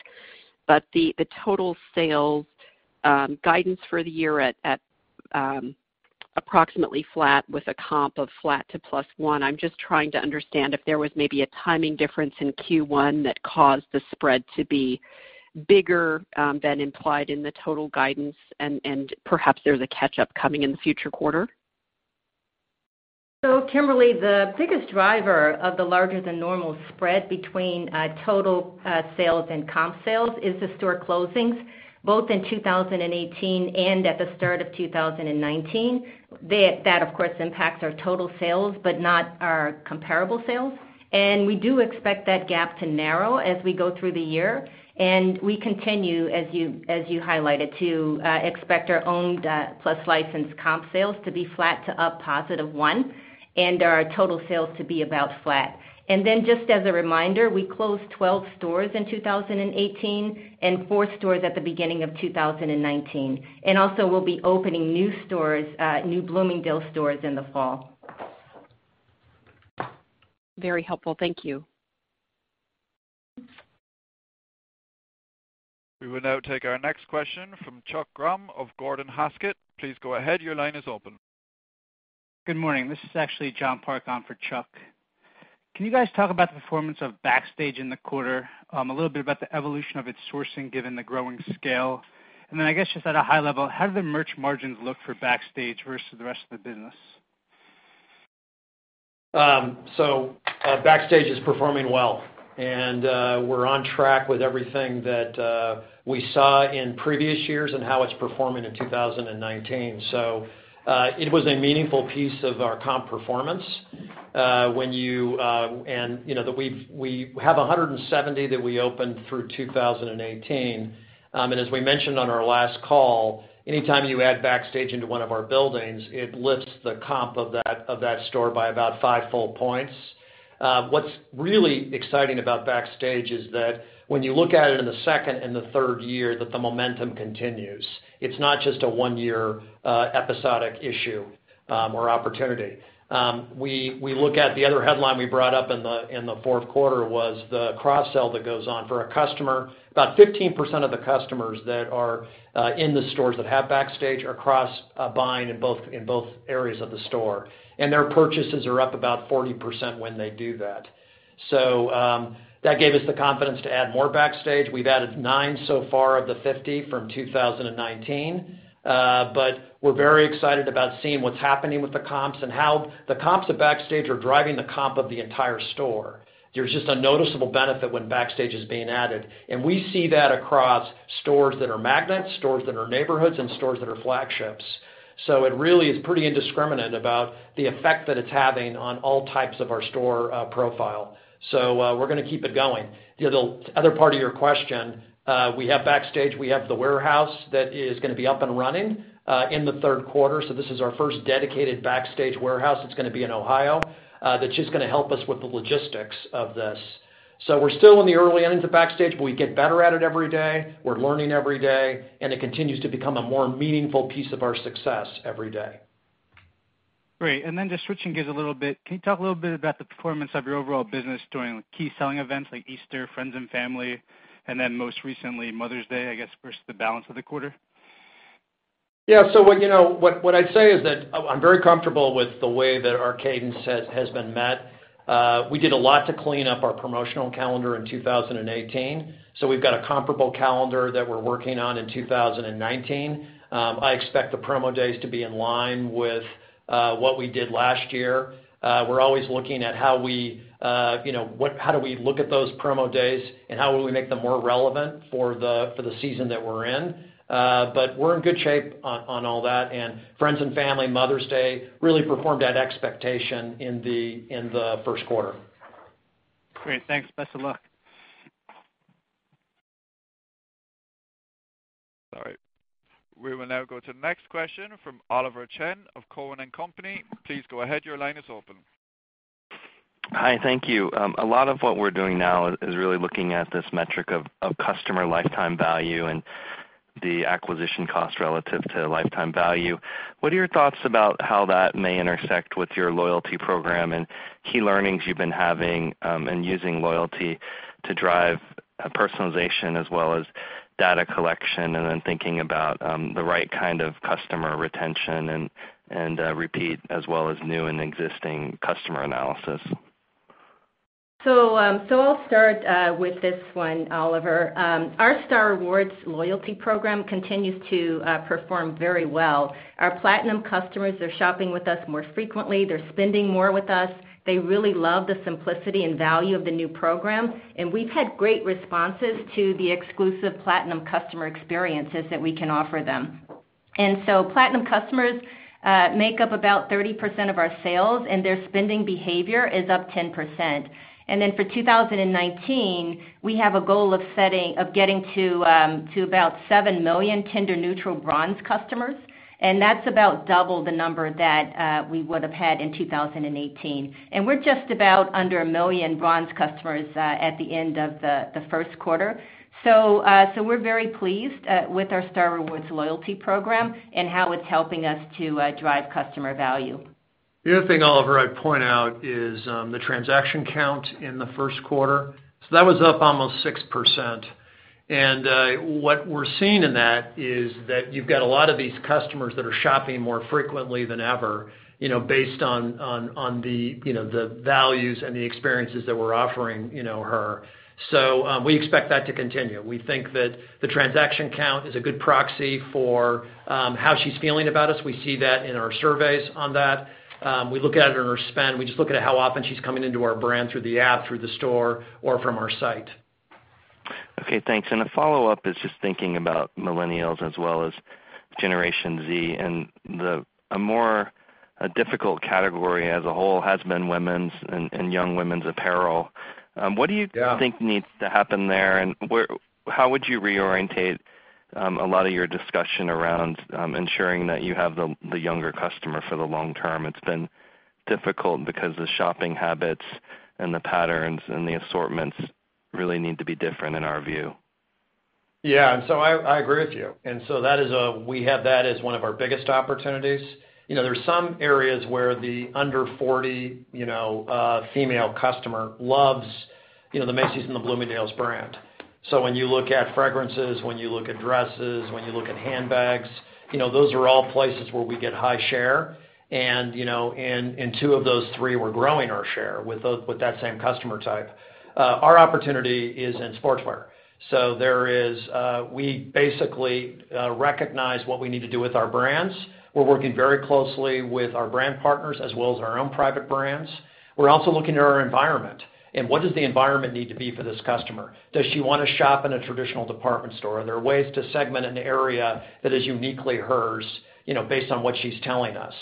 The total sales guidance for the year at approximately flat with a comp of flat to plus one. I'm just trying to understand if there was maybe a timing difference in Q1 that caused the spread to be bigger than implied in the total guidance and perhaps there's a catch-up coming in the future quarter. Kimberly, the biggest driver of the larger than normal spread between total sales and comp sales is the store closings, both in 2018 and at the start of 2019. That of course, impacts our total sales but not our comparable sales. We do expect that gap to narrow as we go through the year. We continue, as you highlighted, to expect our owned plus licensed comp sales to be flat to up positive one, and our total sales to be about flat. Just as a reminder, we closed 12 stores in 2018 and four stores at the beginning of 2019. Also, we'll be opening new Bloomingdale's stores in the fall. Very helpful. Thank you. We will now take our next question from Chuck Grom of Gordon Haskett. Please go ahead. Your line is open. Good morning. This is actually John Park on for Chuck. Can you guys talk about the performance of Backstage in the quarter, a little bit about the evolution of its sourcing given the growing scale? I guess just at a high level, how do the merch margins look for Backstage versus the rest of the business? Backstage is performing well, and we're on track with everything that we saw in previous years and how it's performing in 2019. It was a meaningful piece of our comp performance. We have 170 that we opened through 2018. As we mentioned on our last call, anytime you add Backstage into one of our buildings, it lifts the comp of that store by about five full points. What's really exciting about Backstage is that when you look at it in the second and the third year, that the momentum continues. It's not just a one-year episodic issue or opportunity. We look at the other headline we brought up in the fourth quarter was the cross-sell that goes on for a customer. About 15% of the customers that are in the stores that have Backstage are cross-buying in both areas of the store. Their purchases are up about 40% when they do that. That gave us the confidence to add more Backstage. We've added nine so far of the 50 from 2019. We're very excited about seeing what's happening with the comps and how the comps of Backstage are driving the comp of the entire store. There's just a noticeable benefit when Backstage is being added. We see that across stores that are magnets, stores that are neighborhoods, and stores that are flagships. It really is pretty indiscriminate about the effect that it's having on all types of our store profile. We're going to keep it going. The other part of your question, we have Backstage, we have the warehouse that is going to be up and running in the third quarter. This is our first dedicated Backstage warehouse. It's going to be in Ohio. That's just going to help us with the logistics of this. We're still in the early innings of Backstage, but we get better at it every day. We're learning every day, and it continues to become a more meaningful piece of our success every day. Great. Just switching gears a little bit, can you talk a little bit about the performance of your overall business during key selling events like Easter, Friends and Family, and most recently, Mother's Day, I guess, versus the balance of the quarter? Yeah. What I'd say is that I'm very comfortable with the way that our cadence has been met. We did a lot to clean up our promotional calendar in 2018. We've got a comparable calendar that we're working on in 2019. I expect the promo days to be in line with what we did last year. We're always looking at how do we look at those promo days and how will we make them more relevant for the season that we're in. We're in good shape on all that. Friends and Family, Mother's Day really performed at expectation in the first quarter. Great. Thanks. Best of luck. Sorry. We will now go to the next question from Oliver Chen of Cowen and Company. Please go ahead. Your line is open. Hi. Thank you. A lot of what we're doing now is really looking at this metric of customer lifetime value and the acquisition cost relative to lifetime value. What are your thoughts about how that may intersect with your loyalty program and key learnings you've been having, and using loyalty to drive personalization as well as data collection, thinking about the right kind of customer retention and repeat as well as new and existing customer analysis? I'll start with this one, Oliver. Our Star Rewards loyalty program continues to perform very well. Our platinum customers are shopping with us more frequently. They're spending more with us. They really love the simplicity and value of the new program. We've had great responses to the exclusive platinum customer experiences that we can offer them. Platinum customers make up about 30% of our sales, and their spending behavior is up 10%. For 2019, we have a goal of getting to about 7 million tender neutral bronze customers, and that's about double the number that we would've had in 2018. We're just about under 1 million bronze customers at the end of the first quarter. We're very pleased with our Star Rewards loyalty program and how it's helping us to drive customer value. The other thing, Oliver, I'd point out is the transaction count in the first quarter. That was up almost 6%. What we're seeing in that is that you've got a lot of these customers that are shopping more frequently than ever based on the values and the experiences that we're offering her. We expect that to continue. We think that the transaction count is a good proxy for how she's feeling about us. We see that in our surveys on that. We look at it in her spend. We just look at how often she's coming into our brand through the app, through the store, or from our site. Okay, thanks. The follow-up is just thinking about millennials as well as Generation Z, and a more difficult category as a whole has been women's and young women's apparel. Yeah. What do you think needs to happen there, and how would you reorientate a lot of your discussion around ensuring that you have the younger customer for the long term? It's been difficult because the shopping habits and the patterns and the assortments really need to be different in our view. Yeah. I agree with you. There are some areas where the under 40 female customer loves the Macy's and the Bloomingdale's brand. When you look at fragrances, when you look at dresses, when you look at handbags, those are all places where we get high share. Two of those three we're growing our share with that same customer type. Our opportunity is in sportswear. We basically recognize what we need to do with our brands. We're working very closely with our brand partners as well as our own private brands. We're also looking at our environment and what does the environment need to be for this customer. Does she want to shop in a traditional department store? Are there ways to segment an area that is uniquely hers based on what she's telling us?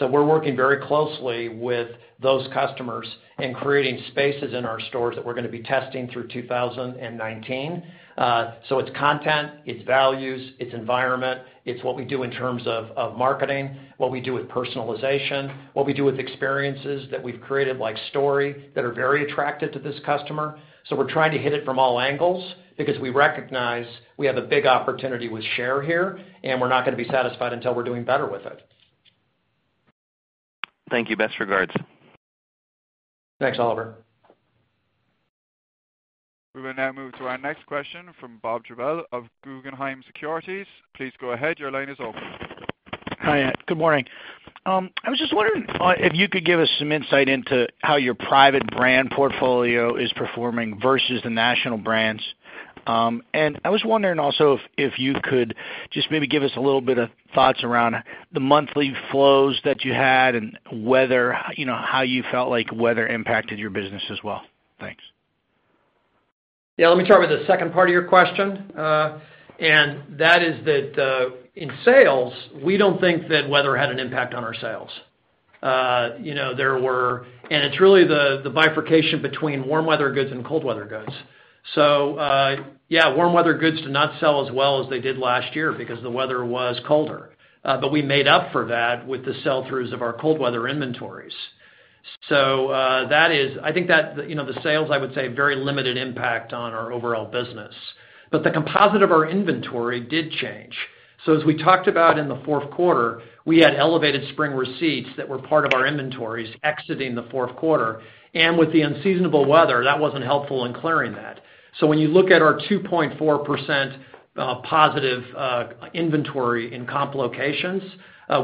We're working very closely with those customers and creating spaces in our stores that we're going to be testing through 2019. It's content, it's values, it's environment, it's what we do in terms of marketing, what we do with personalization, what we do with experiences that we've created, like STORY, that are very attractive to this customer. We're trying to hit it from all angles because we recognize we have a big opportunity with share here, and we're not going to be satisfied until we're doing better with it. Thank you. Best regards. Thanks, Oliver. We will now move to our next question from Robert Drbul of Guggenheim Securities. Please go ahead. Your line is open. Hi. Good morning. I was just wondering if you could give us some insight into how your private brand portfolio is performing versus the national brands. I was wondering also if you could just maybe give us a little bit of thoughts around the monthly flows that you had and how you felt like weather impacted your business as well. Thanks. Yeah. Let me start with the second part of your question. That is that in sales, we don't think that weather had an impact on our sales. It's really the bifurcation between warm weather goods and cold weather goods. Yeah, warm weather goods did not sell as well as they did last year because the weather was colder. We made up for that with the sell-throughs of our cold weather inventories. I think that the sales, I would say, very limited impact on our overall business. The composite of our inventory did change. As we talked about in the fourth quarter, we had elevated spring receipts that were part of our inventories exiting the fourth quarter. With the unseasonable weather, that wasn't helpful in clearing that. When you look at our 2.4% positive inventory in comp locations,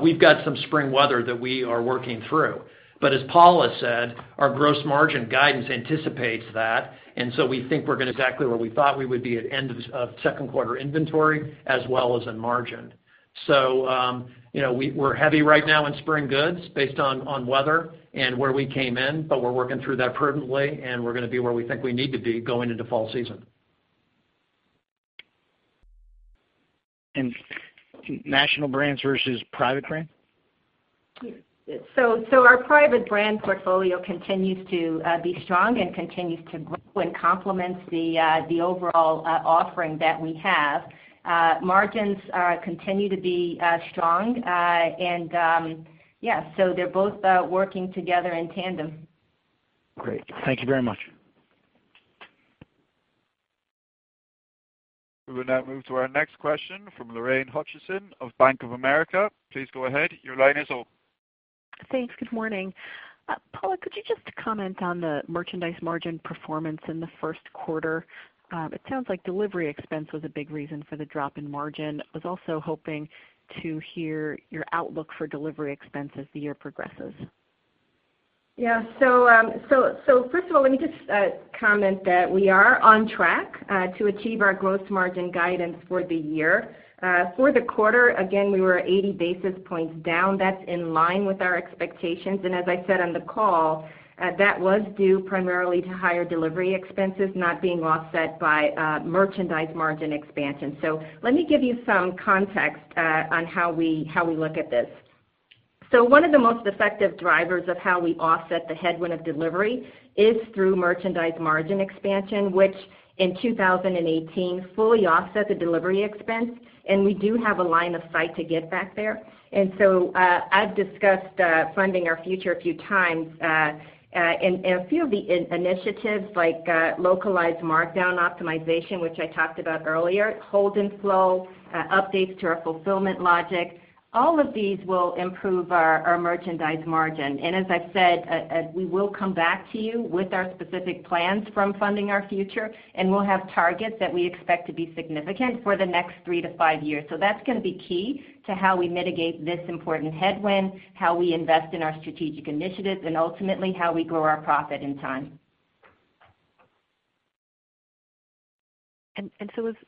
we've got some spring weather that we are working through. As Paula said, our gross margin guidance anticipates that, and so we think we're going to exactly where we thought we would be at end of second quarter inventory, as well as in margin. We're heavy right now in spring goods based on weather and where we came in, but we're working through that prudently, and we're going to be where we think we need to be going into fall season. National brands versus private brand? Our private brand portfolio continues to be strong and continues to grow and complements the overall offering that we have. Margins continue to be strong. Yes, they're both working together in tandem. Great. Thank you very much. We will now move to our next question from Lorraine Hutchinson of Bank of America. Please go ahead. Your line is open. Thanks. Good morning. Paula, could you just comment on the merchandise margin performance in the first quarter? It sounds like delivery expense was a big reason for the drop in margin. I was also hoping to hear your outlook for delivery expense as the year progresses. Yeah. First of all, let me just comment that we are on track to achieve our gross margin guidance for the year. For the quarter, again, we were 80 basis points down. That's in line with our expectations. As I said on the call, that was due primarily to higher delivery expenses not being offset by merchandise margin expansion. Let me give you some context on how we look at this. One of the most effective drivers of how we offset the headwind of delivery is through merchandise margin expansion, which in 2018 fully offset the delivery expense, we do have a line of sight to get back there. I've discussed Funding Our Future a few times, a few of the initiatives like localized markdown optimization, which I talked about earlier, hold and flow, updates to our fulfillment logic, all of these will improve our merchandise margin. As I've said, we will come back to you with our specific plans from Funding Our Future, we'll have targets that we expect to be significant for the next three to five years. That's going to be key to how we mitigate this important headwind, how we invest in our strategic initiatives, ultimately, how we grow our profit in time.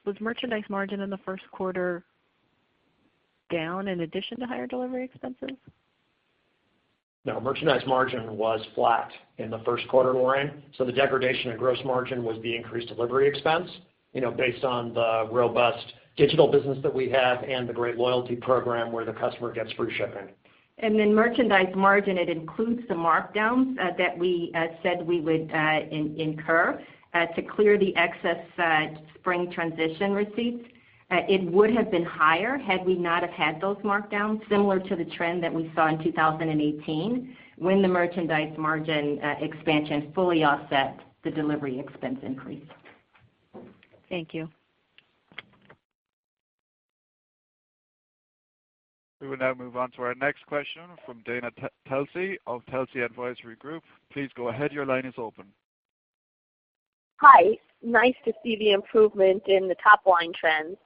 Was merchandise margin in the first quarter down in addition to higher delivery expenses? No, merchandise margin was flat in the first quarter, Lorraine. The degradation in gross margin was the increased delivery expense, based on the robust digital business that we have and the great loyalty program where the customer gets free shipping. Merchandise margin, it includes the markdowns that we said we would incur to clear the excess spring transition receipts. It would have been higher had we not have had those markdowns, similar to the trend that we saw in 2018 when the merchandise margin expansion fully offset the delivery expense increase. Thank you. We will now move on to our next question from Dana Telsey of Telsey Advisory Group. Please go ahead. Your line is open. Hi. Nice to see the improvement in the top-line trends.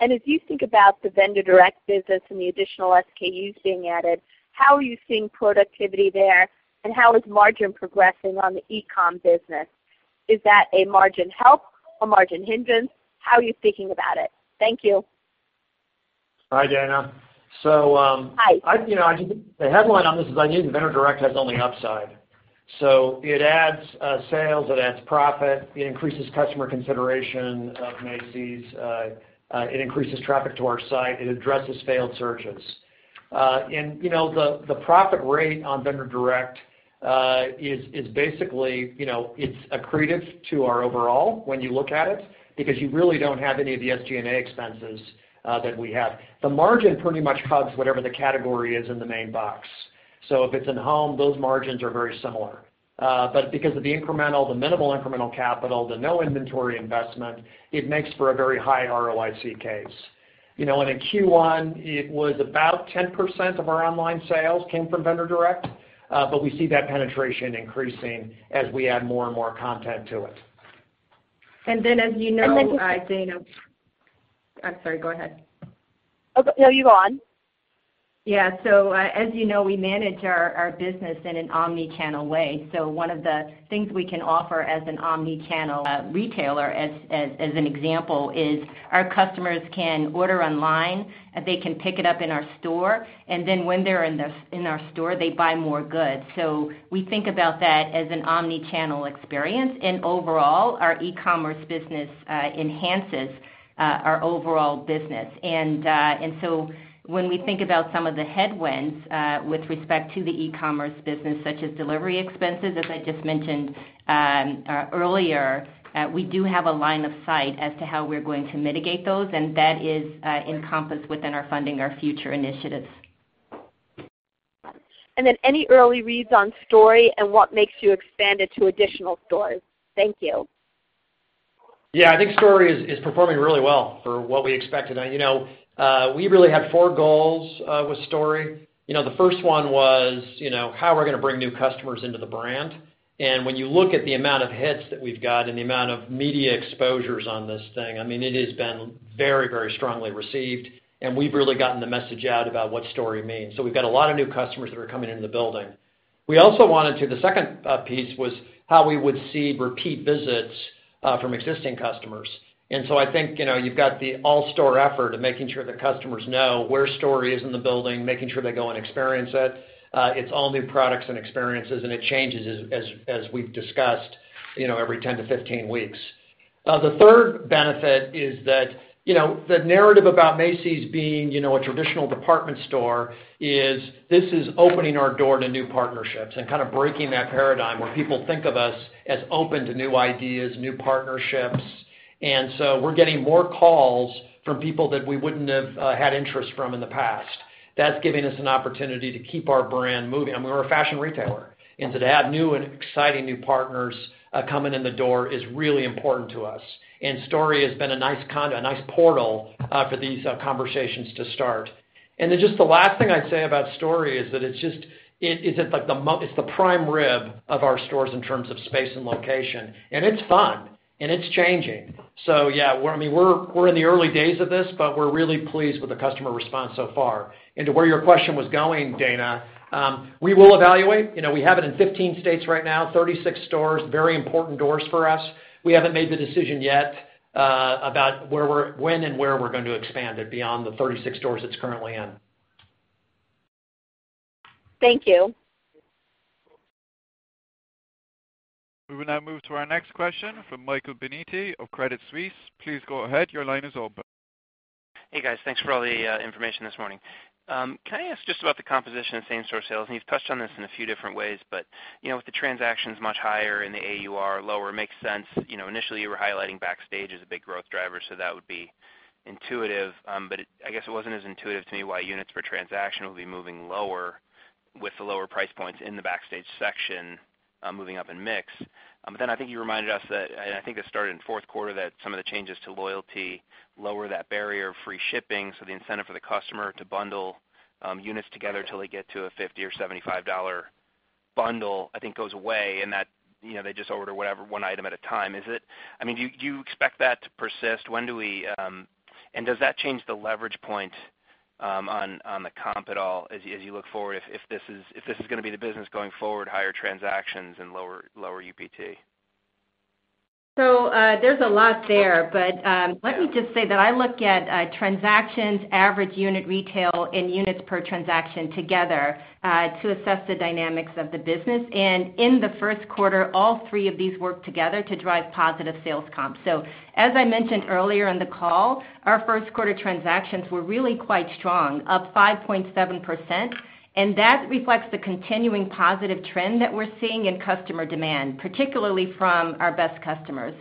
As you think about the Vendor Direct business and the additional SKUs being added, how are you seeing productivity there, and how is margin progressing on the e-com business? Is that a margin help or margin hindrance? How are you thinking about it? Thank you. Hi, Dana. Hi. The headline on this is I think Vendor Direct has only upside. It adds sales, it adds profit, it increases customer consideration of Macy's, it increases traffic to our site, it addresses failed searches. The profit rate on Vendor Direct is basically accretive to our overall when you look at it because you really don't have any of the SG&A expenses that we have. The margin pretty much hugs whatever the category is in the main box. If it's in home, those margins are very similar. Because of the minimal incremental capital, the no inventory investment, it makes for a very high ROIC case. In Q1, it was about 10% of our online sales came from Vendor Direct. We see that penetration increasing as we add more and more content to it. As you know, Dana, I'm sorry, go ahead. No, you go on. Yeah. As you know, we manage our business in an omni-channel way. One of the things we can offer as an omni-channel retailer, as an example, is our customers can order online, they can pick it up in our store, and then when they're in our store, they buy more goods. We think about that as an omni-channel experience. Overall, our e-commerce business enhances our overall business. When we think about some of the headwinds with respect to the e-commerce business, such as delivery expenses, as I just mentioned earlier, we do have a line of sight as to how we're going to mitigate those, and that is encompassed within our Funding Our Future initiatives. Any early reads on STORY and what makes you expand it to additional stores? Thank you. Yeah, I think STORY is performing really well for what we expected. We really had four goals with STORY. The first one was, how we're going to bring new customers into the brand. When you look at the amount of hits that we've got and the amount of media exposures on this thing, it has been very strongly received, and we've really gotten the message out about what STORY means. We've got a lot of new customers that are coming into the building. We also wanted the second piece was how we would see repeat visits from existing customers. I think, you've got the all-store effort of making sure that customers know where STORY is in the building, making sure they go and experience it. It's all new products and experiences, and it changes as we've discussed, every 10-15 weeks. The third benefit is that the narrative about Macy's being a traditional department store is. This is opening our door to new partnerships and kind of breaking that paradigm where people think of us as open to new ideas, new partnerships. We're getting more calls from people that we wouldn't have had interest from in the past. That's giving us an opportunity to keep our brand moving. I mean, we're a fashion retailer, and to have new and exciting new partners coming in the door is really important to us. STORY has been a nice portal for these conversations to start. Just the last thing I'd say about STORY is that it's the prime rib of our stores in terms of space and location. It's fun and it's changing. Yeah, we're in the early days of this, but we're really pleased with the customer response so far. To where your question was going, Dana, we will evaluate. We have it in 15 states right now, 36 stores, very important doors for us. We haven't made the decision yet about when and where we're going to expand it beyond the 36 stores it's currently in. Thank you. We will now move to our next question from Michael Binetti of Credit Suisse. Please go ahead. Your line is open. Hey, guys. Thanks for all the information this morning. Can I ask just about the composition of same-store sales? You've touched on this in a few different ways, but with the transactions much higher and the AUR lower, it makes sense. Initially, you were highlighting Macy's Backstage as a big growth driver, so that would be intuitive. I guess it wasn't as intuitive to me why units per transaction will be moving lower with the lower price points in the Macy's Backstage section moving up in mix. I think you reminded us that, and I think this started in the fourth quarter, that some of the changes to Star Rewards lower that barrier of free shipping. The incentive for the customer to bundle units together till they get to a $50 or $75 bundle, I think, goes away, and that they just order one item at a time. Do you expect that to persist? Does that change the leverage point on the comp at all as you look forward, if this is going to be the business going forward, higher transactions and lower UPT? There's a lot there, but let me just say that I look at transactions, average unit retail, and units per transaction together to assess the dynamics of the business. In the first quarter, all three of these worked together to drive positive sales comp. As I mentioned earlier in the call, our first quarter transactions were really quite strong, up 5.7%, and that reflects the continuing positive trend that we're seeing in customer demand, particularly from our best customers.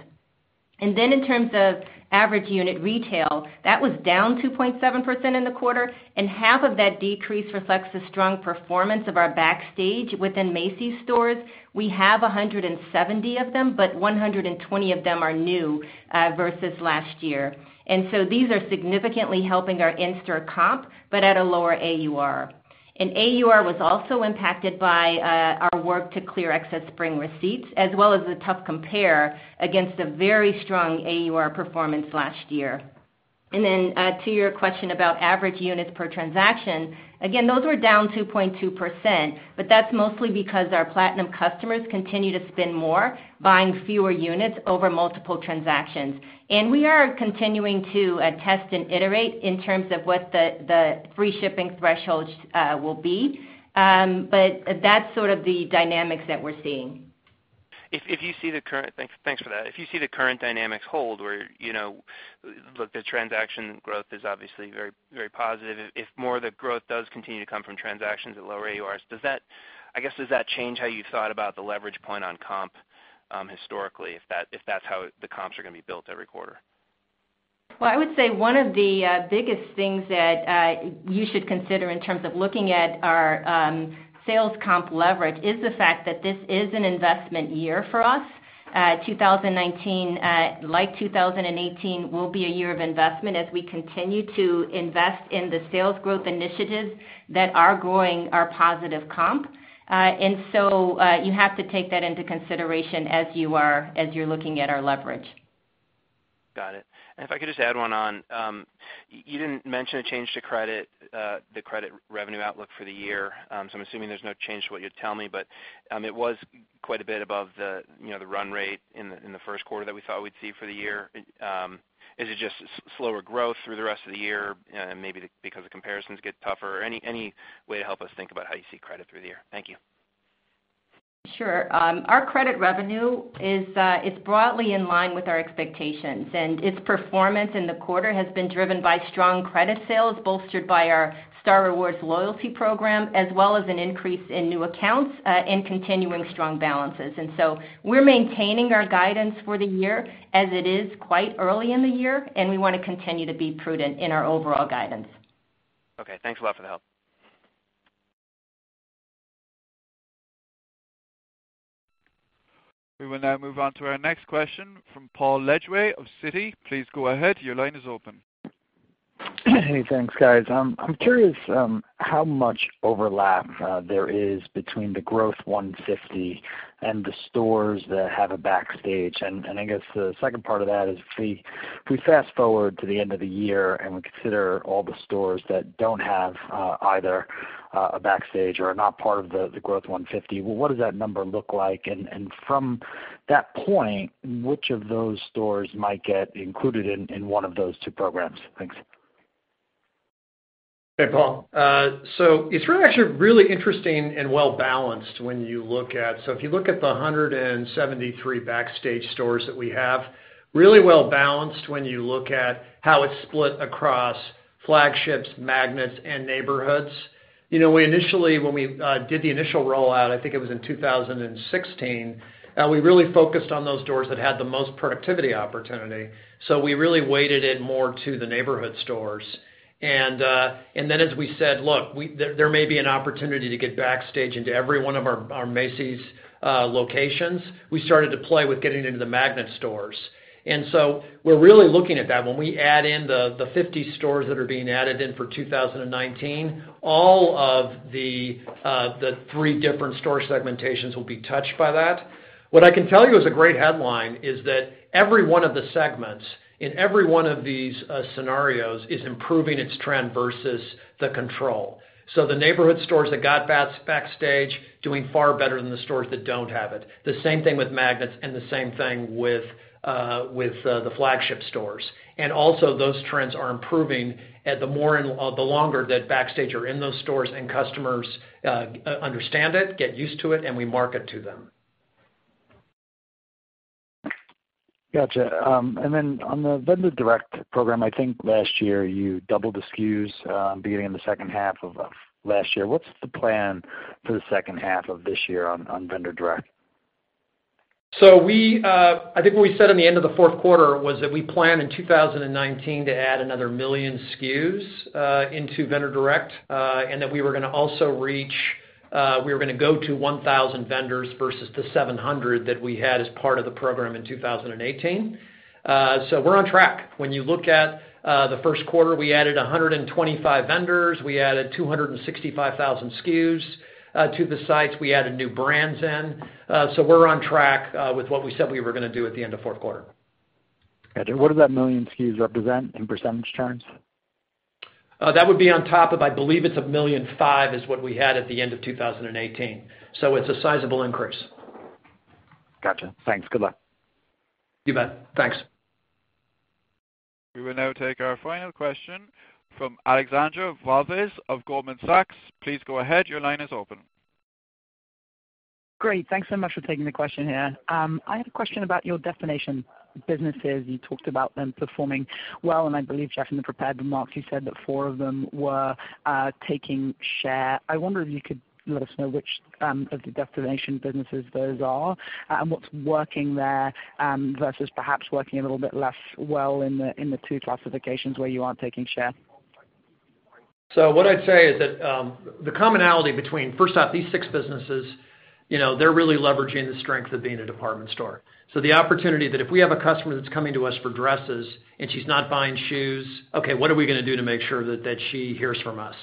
In terms of average unit retail, that was down 2.7% in the quarter, and half of that decrease reflects the strong performance of our Macy's Backstage within Macy's stores. We have 170 of them, but 120 of them are new versus last year. These are significantly helping our in-store comp, but at a lower AUR. AUR was also impacted by our work to clear excess spring receipts, as well as the tough compare against a very strong AUR performance last year. To your question about average units per transaction, again, those were down 2.2%, but that's mostly because our platinum customers continue to spend more, buying fewer units over multiple transactions. We are continuing to test and iterate in terms of what the free shipping thresholds will be. That's sort of the dynamics that we're seeing. Thanks for that. If you see the current dynamics hold where the transaction growth is obviously very positive. If more of the growth does continue to come from transactions at lower AURs, does that change how you thought about the leverage point on comp historically, if that's how the comps are going to be built every quarter? Well, I would say one of the biggest things that you should consider in terms of looking at our sales comp leverage is the fact that this is an investment year for us. 2019, like 2018, will be a year of investment as we continue to invest in the sales growth initiatives that are growing our positive comp. You have to take that into consideration as you're looking at our leverage. Got it. If I could just add one on. You didn't mention a change to the credit revenue outlook for the year, I'm assuming there's no change to what you'd tell me, it was quite a bit above the run rate in the first quarter that we thought we'd see for the year. Is it just slower growth through the rest of the year, maybe because the comparisons get tougher? Any way to help us think about how you see credit through the year? Thank you. Sure. Our credit revenue is broadly in line with our expectations, its performance in the quarter has been driven by strong credit sales bolstered by our Star Rewards loyalty program, as well as an increase in new accounts and continuing strong balances. We're maintaining our guidance for the year as it is quite early in the year, we want to continue to be prudent in our overall guidance. Okay. Thanks a lot for the help. We will now move on to our next question from Paul Lejuez of Citi. Please go ahead. Your line is open. Hey, thanks guys. I'm curious how much overlap there is between the Growth 150 and the stores that have a Macy's Backstage. I guess the second part of that is if we fast-forward to the end of the year and we consider all the stores that don't have either a Macy's Backstage or are not part of the Growth 150, what does that number look like? From that point, which of those stores might get included in one of those two programs? Thanks. Hey, Paul. It's actually really interesting and well-balanced when you look at if you look at the 173 Macy's Backstage stores that we have, really well-balanced when you look at how it's split across flagships, magnets, and neighborhoods. When we did the initial rollout, I think it was in 2016, we really focused on those stores that had the most productivity opportunity. We really weighted it more to the neighborhood stores. Then as we said, look, there may be an opportunity to get Macy's Backstage into every one of our Macy's locations. We started to play with getting into the magnet stores. So we're really looking at that. When we add in the 50 stores that are being added in for 2019, all of the three different store segmentations will be touched by that. What I can tell you as a great headline is that every one of the segments in every one of these scenarios is improving its trend versus the control. The neighborhood stores that got Macy's Backstage, doing far better than the stores that don't have it. The same thing with magnets, and the same thing with the flagship stores. Also those trends are improving the longer that Macy's Backstage are in those stores and customers understand it, get used to it, and we market to them. Gotcha. On the Vendor Direct program, I think last year you doubled the SKUs, beginning in the second half of last year. What's the plan for the second half of this year on Vendor Direct? I think what we said in the end of the fourth quarter was that we plan in 2019 to add another million SKUs into Vendor Direct. That we were going to go to 1,000 vendors versus the 700 that we had as part of the program in 2018. We're on track. When you look at the first quarter, we added 125 vendors. We added 265,000 SKUs to the sites. We added new brands in. We're on track with what we said we were going to do at the end of fourth quarter. Got you. What does that million SKUs represent in percentage terms? That would be on top of, I believe it's $1.5 million is what we had at the end of 2018. It's a sizable increase. Gotcha. Thanks. Goodbye. You bet. Thanks. We will now take our final question from Alexandra Walvis of Goldman Sachs. Please go ahead. Your line is open. Great. Thanks so much for taking the question here. I have a question about your destination businesses. You talked about them performing well, and I believe, Jeff, in the prepared remarks, you said that four of them were taking share. I wonder if you could let us know which of the destination businesses those are, and what's working there versus perhaps working a little bit less well in the two classifications where you aren't taking share. What I'd say is that the commonality between, first off, these six businesses, they're really leveraging the strength of being a department store. The opportunity that if we have a customer that's coming to us for dresses and she's not buying shoes, okay, what are we going to do to make sure that she hears from us?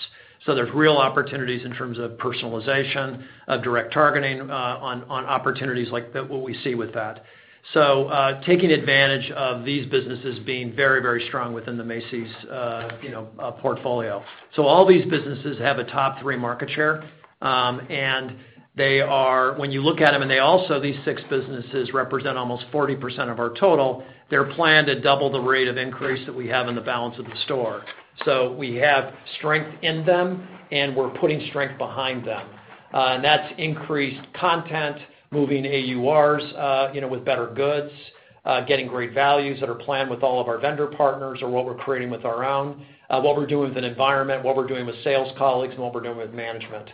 There's real opportunities in terms of personalization, of direct targeting on opportunities like what we see with that. Taking advantage of these businesses being very, very strong within the Macy's portfolio. All these businesses have a top three market share. When you look at them, and also these six businesses represent almost 40% of our total, they're planned to double the rate of increase that we have in the balance of the store. We have strength in them, and we're putting strength behind them. That's increased content, moving AURs with better goods, getting great values that are planned with all of our vendor partners or what we're creating with our own, what we're doing with an environment, what we're doing with sales colleagues, and what we're doing with management.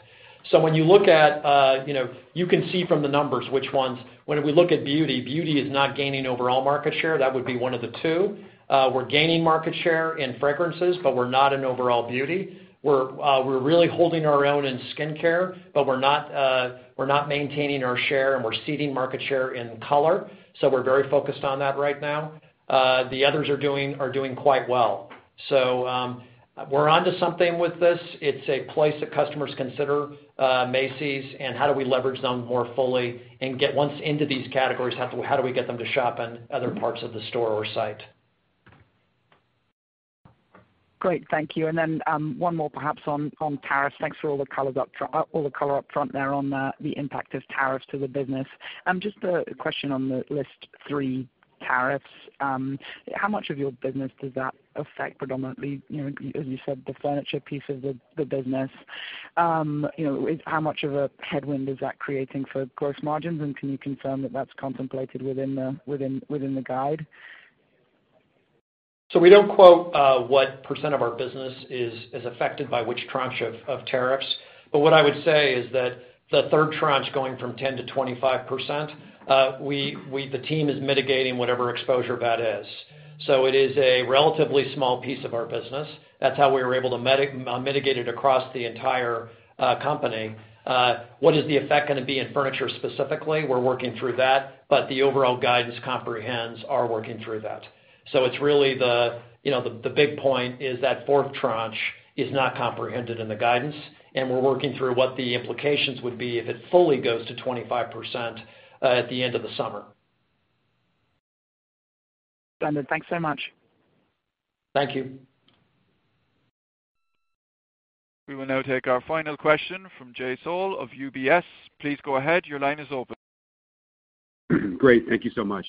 You can see from the numbers which ones. When we look at beauty is not gaining overall market share. That would be one of the two. We're gaining market share in fragrances, but we're not in overall beauty. We're really holding our own in skincare, but we're not maintaining our share, and we're ceding market share in color. We're very focused on that right now. The others are doing quite well. We're onto something with this. It's a place that customers consider Macy's and how do we leverage them more fully and once into these categories, how do we get them to shop in other parts of the store or site? Great. Thank you. One more perhaps on tariffs. Thanks for all the color up front there on the impact of tariffs to the business. Just a question on the list 3 tariffs. How much of your business does that affect predominantly, as you said, the furniture piece of the business? How much of a headwind is that creating for gross margins, and can you confirm that that's contemplated within the guide? We don't quote what percent of our business is affected by which tranche of tariffs. What I would say is that the third tranche going from 10% to 25%, the team is mitigating whatever exposure that is. It is a relatively small piece of our business. That's how we were able to mitigate it across the entire company. What is the effect going to be in furniture specifically? We're working through that, but the overall guidance comprehends are working through that. It's really the big point is that fourth tranche is not comprehended in the guidance, and we're working through what the implications would be if it fully goes to 25% at the end of the summer. Great, thanks so much. Thank you. We will now take our final question from Jay Sole of UBS. Please go ahead. Your line is open. Great. Thank you so much.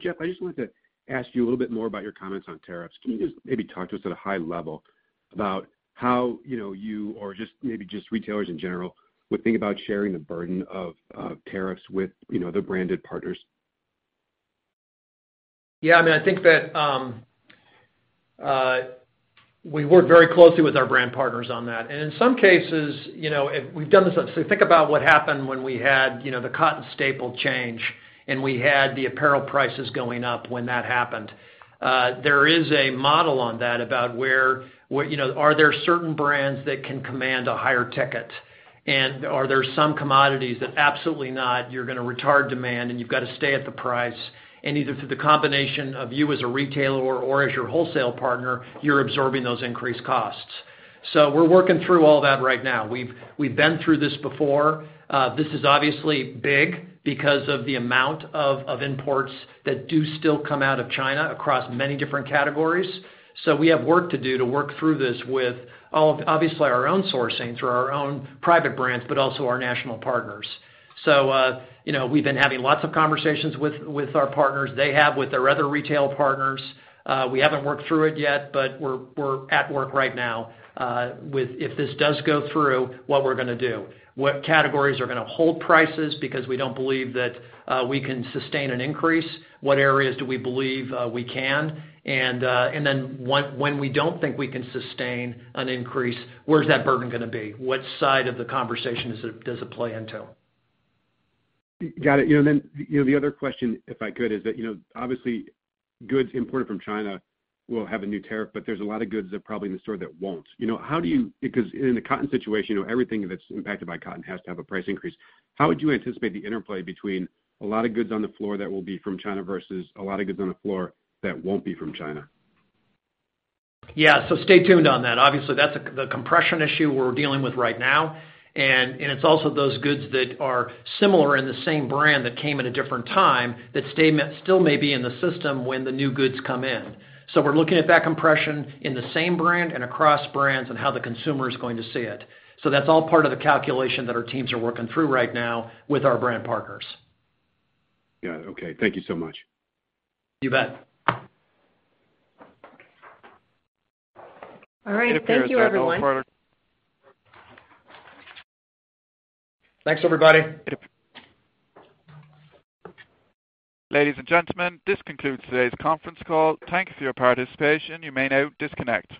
Jeff, I just wanted to ask you a little bit more about your comments on tariffs. Can you just maybe talk to us at a high level about how you, or just maybe just retailers in general, would think about sharing the burden of tariffs with the branded partners? Yeah. I think that we work very closely with our brand partners on that. In some cases, we've done this. Think about what happened when we had the cotton staple change, and we had the apparel prices going up when that happened. There is a model on that about where, are there certain brands that can command a higher ticket? Are there some commodities that absolutely not, you're going to retard demand, and you've got to stay at the price. Either through the combination of you as a retailer or as your wholesale partner, you're absorbing those increased costs. We're working through all that right now. We've been through this before. This is obviously big because of the amount of imports that do still come out of China across many different categories. We have work to do to work through this with all of, obviously our own sourcing through our own private brands, but also our national partners. We've been having lots of conversations with our partners. They have with their other retail partners. We haven't worked through it yet, but we're at work right now with if this does go through, what we're gonna do. What categories are gonna hold prices because we don't believe that we can sustain an increase? What areas do we believe we can? Then when we don't think we can sustain an increase, where's that burden gonna be? What side of the conversation does it play into? Got it. The other question, if I could, is that obviously goods imported from China will have a new tariff, but there's a lot of goods that probably in the store that won't. Because in the cotton situation, everything that's impacted by cotton has to have a price increase. How would you anticipate the interplay between a lot of goods on the floor that will be from China versus a lot of goods on the floor that won't be from China? Yeah. Stay tuned on that. Obviously, that's the compression issue we're dealing with right now. It's also those goods that are similar in the same brand that came at a different time that still may be in the system when the new goods come in. We're looking at that compression in the same brand and across brands and how the consumer is going to see it. That's all part of the calculation that our teams are working through right now with our brand partners. Yeah. Okay. Thank you so much. You bet. All right. Thank you, everyone. Thanks, everybody. Ladies and gentlemen, this concludes today's conference call. Thank you for your participation. You may now disconnect.